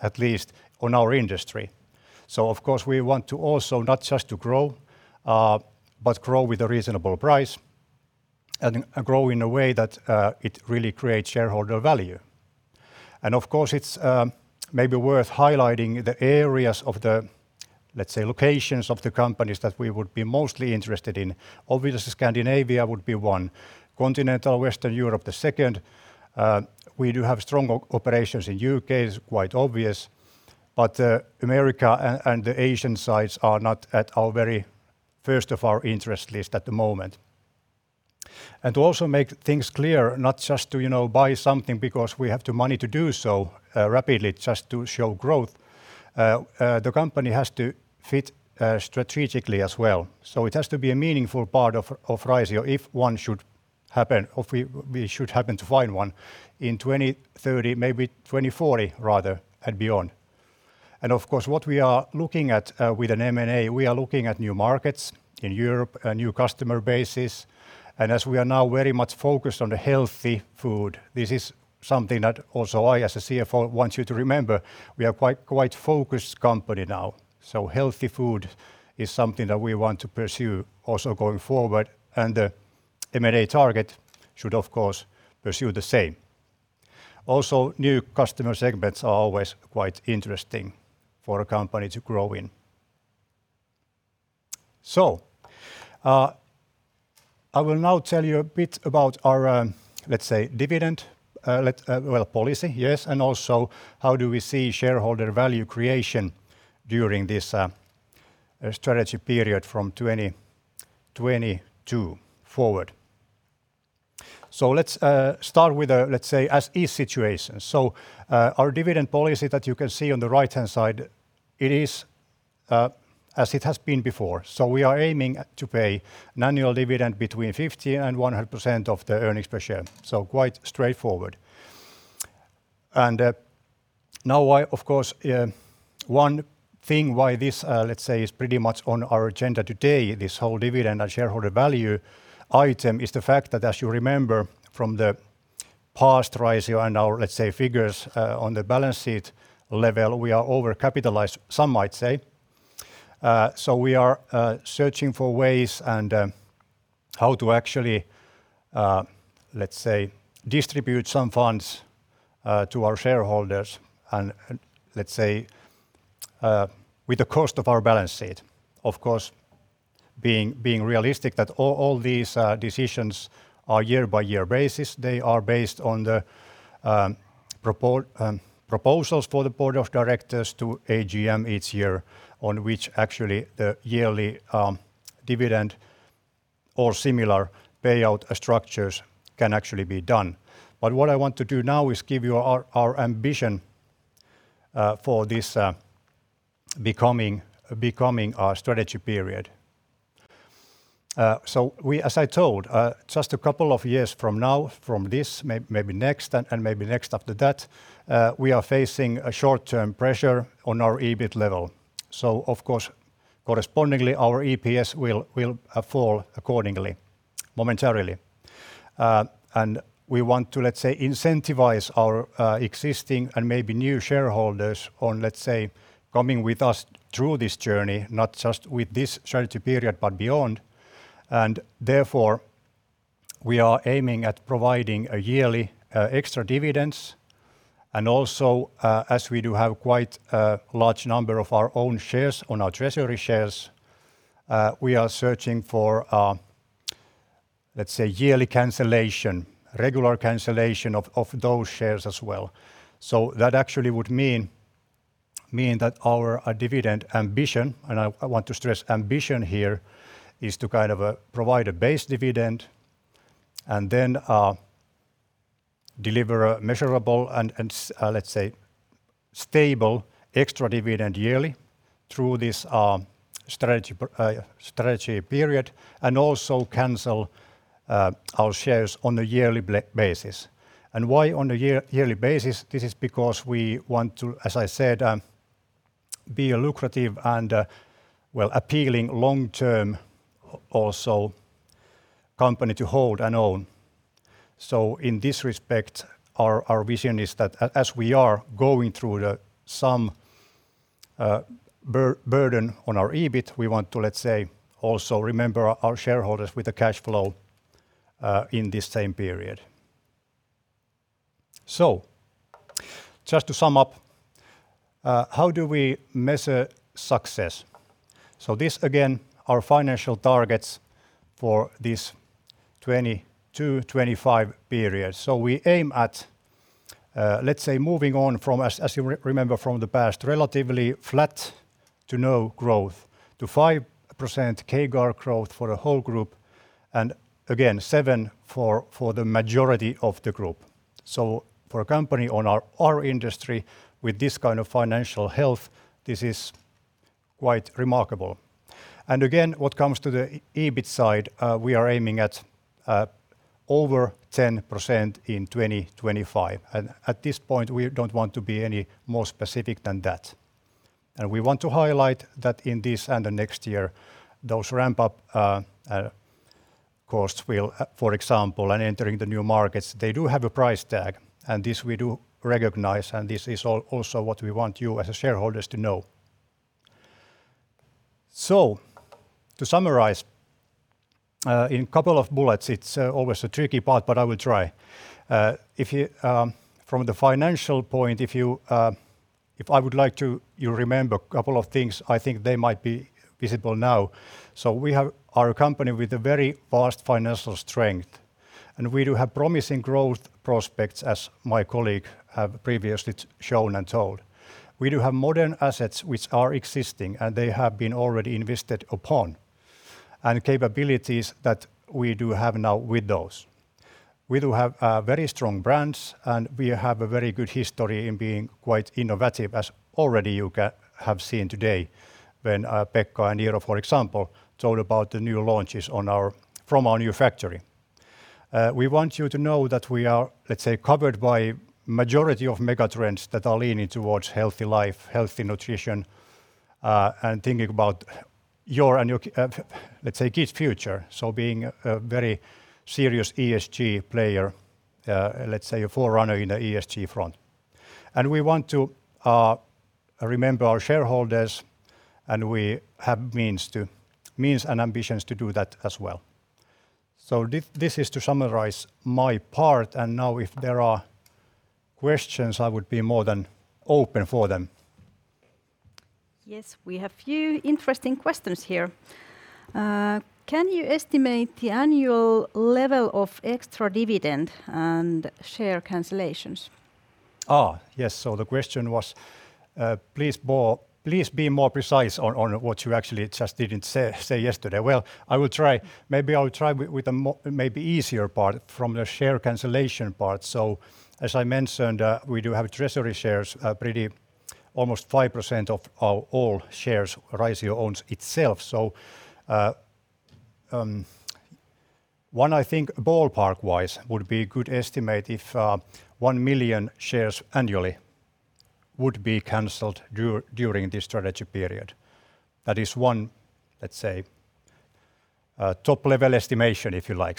at least on our industry. Of course, we want to also not just to grow, but grow with a reasonable price and grow in a way that it really creates shareholder value. Of course, it's maybe worth highlighting the areas of the, let's say, locations of the companies that we would be mostly interested in. Obviously, Scandinavia would be one, Continental Western Europe the second. We do have strong operations in U.K., is quite obvious, but America and the Asian sites are not at our very first of our interest list at the moment. To also make things clear, not just to buy something because we have the money to do so rapidly just to show growth. The company has to fit strategically as well. It has to be a meaningful part of Raisio if we should happen to find one in 2030, maybe 2040 rather, and beyond. Of course, what we are looking at with an M&A, we are looking at new markets in Europe and new customer bases. As we are now very much focused on healthy food, this is something that also I, as a CFO, want you to remember. We are quite focused company now. Healthy food is something that we want to pursue also going forward, and the M&A target should, of course, pursue the same. Also, new customer segments are always quite interesting for a company to grow in. I will now tell you a bit about our, let's say, dividend policy, yes, and also how do we see shareholder value creation during this strategy period from 2022 forward. Let's start with a, let's say, as is situation. Our dividend policy that you can see on the right-hand side, it is as it has been before. We are aiming to pay annual dividend between 50% and 100% of the earnings per share. Quite straightforward. Now, of course, one thing why this, let's say, is pretty much on our agenda today, this whole dividend and shareholder value item, is the fact that, as you remember from the past Raisio and our, let's say, figures on the balance sheet level, we are overcapitalized, some might say. We are searching for ways and how to actually, let's say, distribute some funds to our shareholders and, let's say, with the cost of our balance sheet. Of course, being realistic that all these decisions are year-by-year basis. They are based on the proposals for the board of directors to AGM each year, on which actually the yearly dividend or similar payout structures can actually be done. What I want to do now is give you our ambition for this becoming our strategy period. As I told, just two years from now, from this, maybe next and maybe next after that, we are facing a short-term pressure on our EBIT level. Of course, correspondingly, our EPS will fall accordingly, momentarily. We want to, let's say, incentivize our existing and maybe new shareholders on, let's say, coming with us through this journey, not just with this strategy period, but beyond. Therefore, we are aiming at providing yearly extra dividends, and also, as we do have quite a large number of our own shares on our treasury shares, we are searching for, let's say, yearly cancellation, regular cancellation of those shares as well. That actually would mean that our dividend ambition, and I want to stress ambition here, is to provide a base dividend and then deliver a measurable and, let's say, stable extra dividend yearly through this strategy period, and also cancel our shares on a yearly basis. Why on a yearly basis? This is because we want to, as I said, be a lucrative and appealing long-term company to hold and own. In this respect, our vision is that as we are going through some burden on our EBIT, we want to also remember our shareholders with the cash flow in the same period. Just to sum up, how do we measure success? This, again, our financial targets for this 2022, 2025 period. We aim at moving on from, as you remember from the past, relatively flat to no growth, to 5% CAGR growth for the whole group, and again, 7% for the majority of the group. So for company on our industry we this kind of financial health, this is why it is remarkable. Again when it comes to the EBIT side, we are aiming at over 10% in 2025. At this point, we don't want to be any more specific than that. We want to highlight that in this and the next year, those ramp-up costs will, for example, and entering the new markets, they do have a price tag, and this we do recognize, and this is also what we want you as shareholders to know. To summarize, in a couple of bullets, it's always a tricky part, but I will try. From the financial point, if I would like you to remember a couple of things, I think they might be visible now. We are a company with a very vast financial strength, and we do have promising growth prospects, as my colleague have previously shown and told. We do have modern assets which are existing, and they have been already invested upon, and capabilities that we do have now with those. We do have very strong brands, and we have a very good history in being quite innovative, as already you have seen today when Pekka and Iiro, for example, told about the new launches from our new factory. We want you to know that we are covered by majority of megatrends that are leading towards healthy life, healthy nutrition, and thinking about your and your kid's future. Being a very serious ESG player, let's say a forerunner in the ESG front. We want to remember our shareholders, and we have means and ambitions to do that as well. This is to summarize my part, and now if there are questions, I would be more than open for them. We have a few interesting questions here. Can you estimate the annual level of extra dividend and share cancellations? Yes. The question was, please be more precise on what you actually just didn't say yesterday. I will try. I'll try with maybe easier part from the share cancellation part. As I mentioned, we do have treasury shares, almost 5% of all shares Raisio owns itself. One, I think ballpark-wise, would be a good estimate if 1 million shares annually would be canceled during the strategy period. That is one top-level estimation, if you like.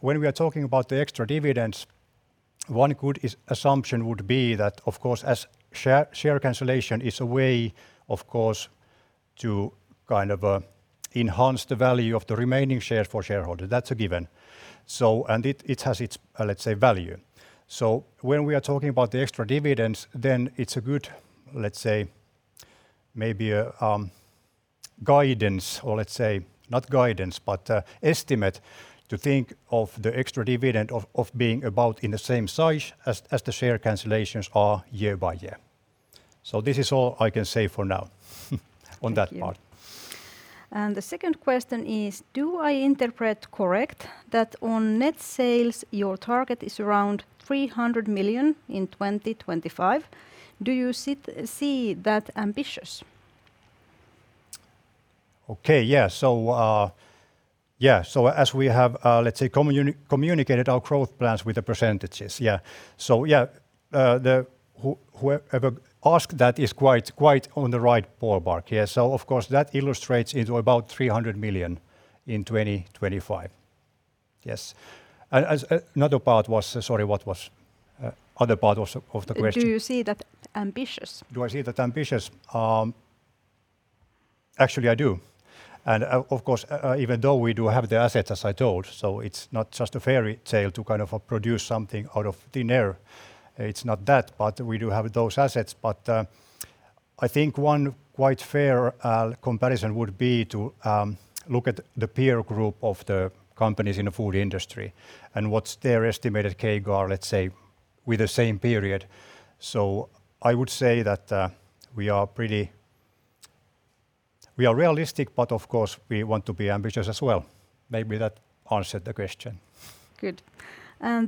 When we're talking about the extra dividends, one good assumption would be that, of course, as share cancellation is a way, of course, to enhance the value of the remaining shares for shareholder, that's a given. It has its value. When we are talking about the extra dividends, then it's a good, let's say, maybe a guidance, or let's say, not guidance, but estimate to think of the extra dividend of being about in the same size as the share cancellations are year-by-year. This is all I can say for now on that part. The second question is, do I interpret correct that on net sales, your target is around 300 million in 2025? Do you see that ambitious? Okay. Yeah. As we have communicated our growth plans with the percentages. Yeah. Yeah, whoever asked that is quite on the right ballpark. Yeah. Of course that illustrates into about 300 million in 2025. Yes. Another part was sorry, what was other part of the question? Do you see that ambitious? Do I see that ambitious? Actually, I do. Of course, even though we do have the assets, as I told, so it's not just a fairy tale to produce something out of thin air. It's not that, but we do have those assets. I think one quite fair comparison would be to look at the peer group of the companies in the food industry and what's their estimated CAGR with the same period. I would say that we are realistic, but of course, we want to be ambitious as well. Maybe that answered the question. Good.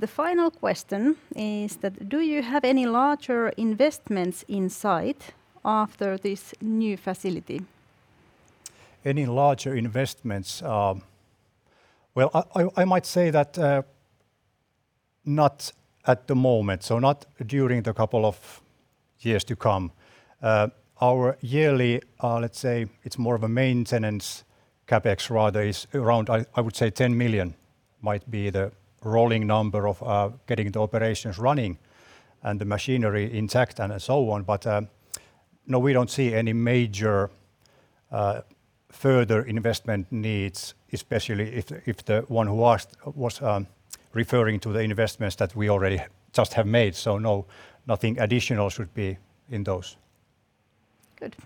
The final question is: Do you have any larger investments in sight after this new facility? Any larger investments? I might say not at the moment, not during the two years to come. Our yearly, let's say it's more of a maintenance CapEx rather, is around I would say 10 million might be the rolling number of getting the operations running and the machinery intact and so on. No, we don't see any major further investment needs, especially if the one who asked was referring to the investments that we already just have made. No, nothing additional should be in those. Good.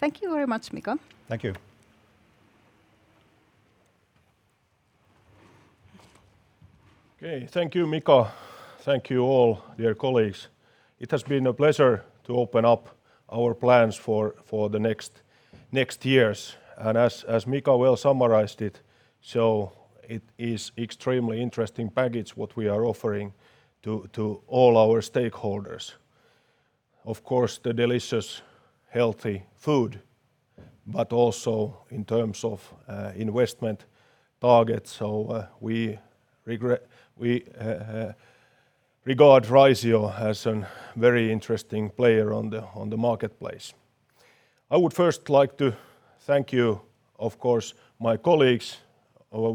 Thank you very much, Mika. Thank you. Okay. Thank you, Mika. Thank you all, dear colleagues. It has been a pleasure to open up our plans for the next years. As Mika well summarized it is extremely interesting package what we are offering to all our stakeholders. Of course, the delicious healthy food, but also in terms of investment targets. We regard Raisio as a very interesting player on the marketplace. I would first like to thank you, of course, my colleagues, our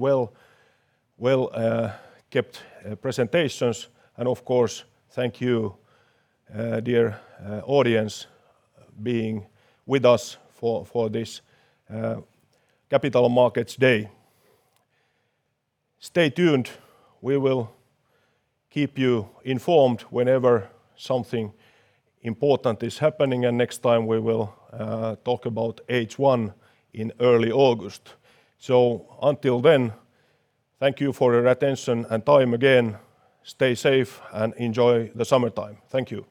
well-kept presentations, and of course, thank you, dear audience, being with us for this Capital Markets Day. Stay tuned. We will keep you informed whenever something important is happening. Next time, we will talk about H1 in early August. Until then, thank you for your attention and time again. Stay safe and enjoy the summertime. Thank you.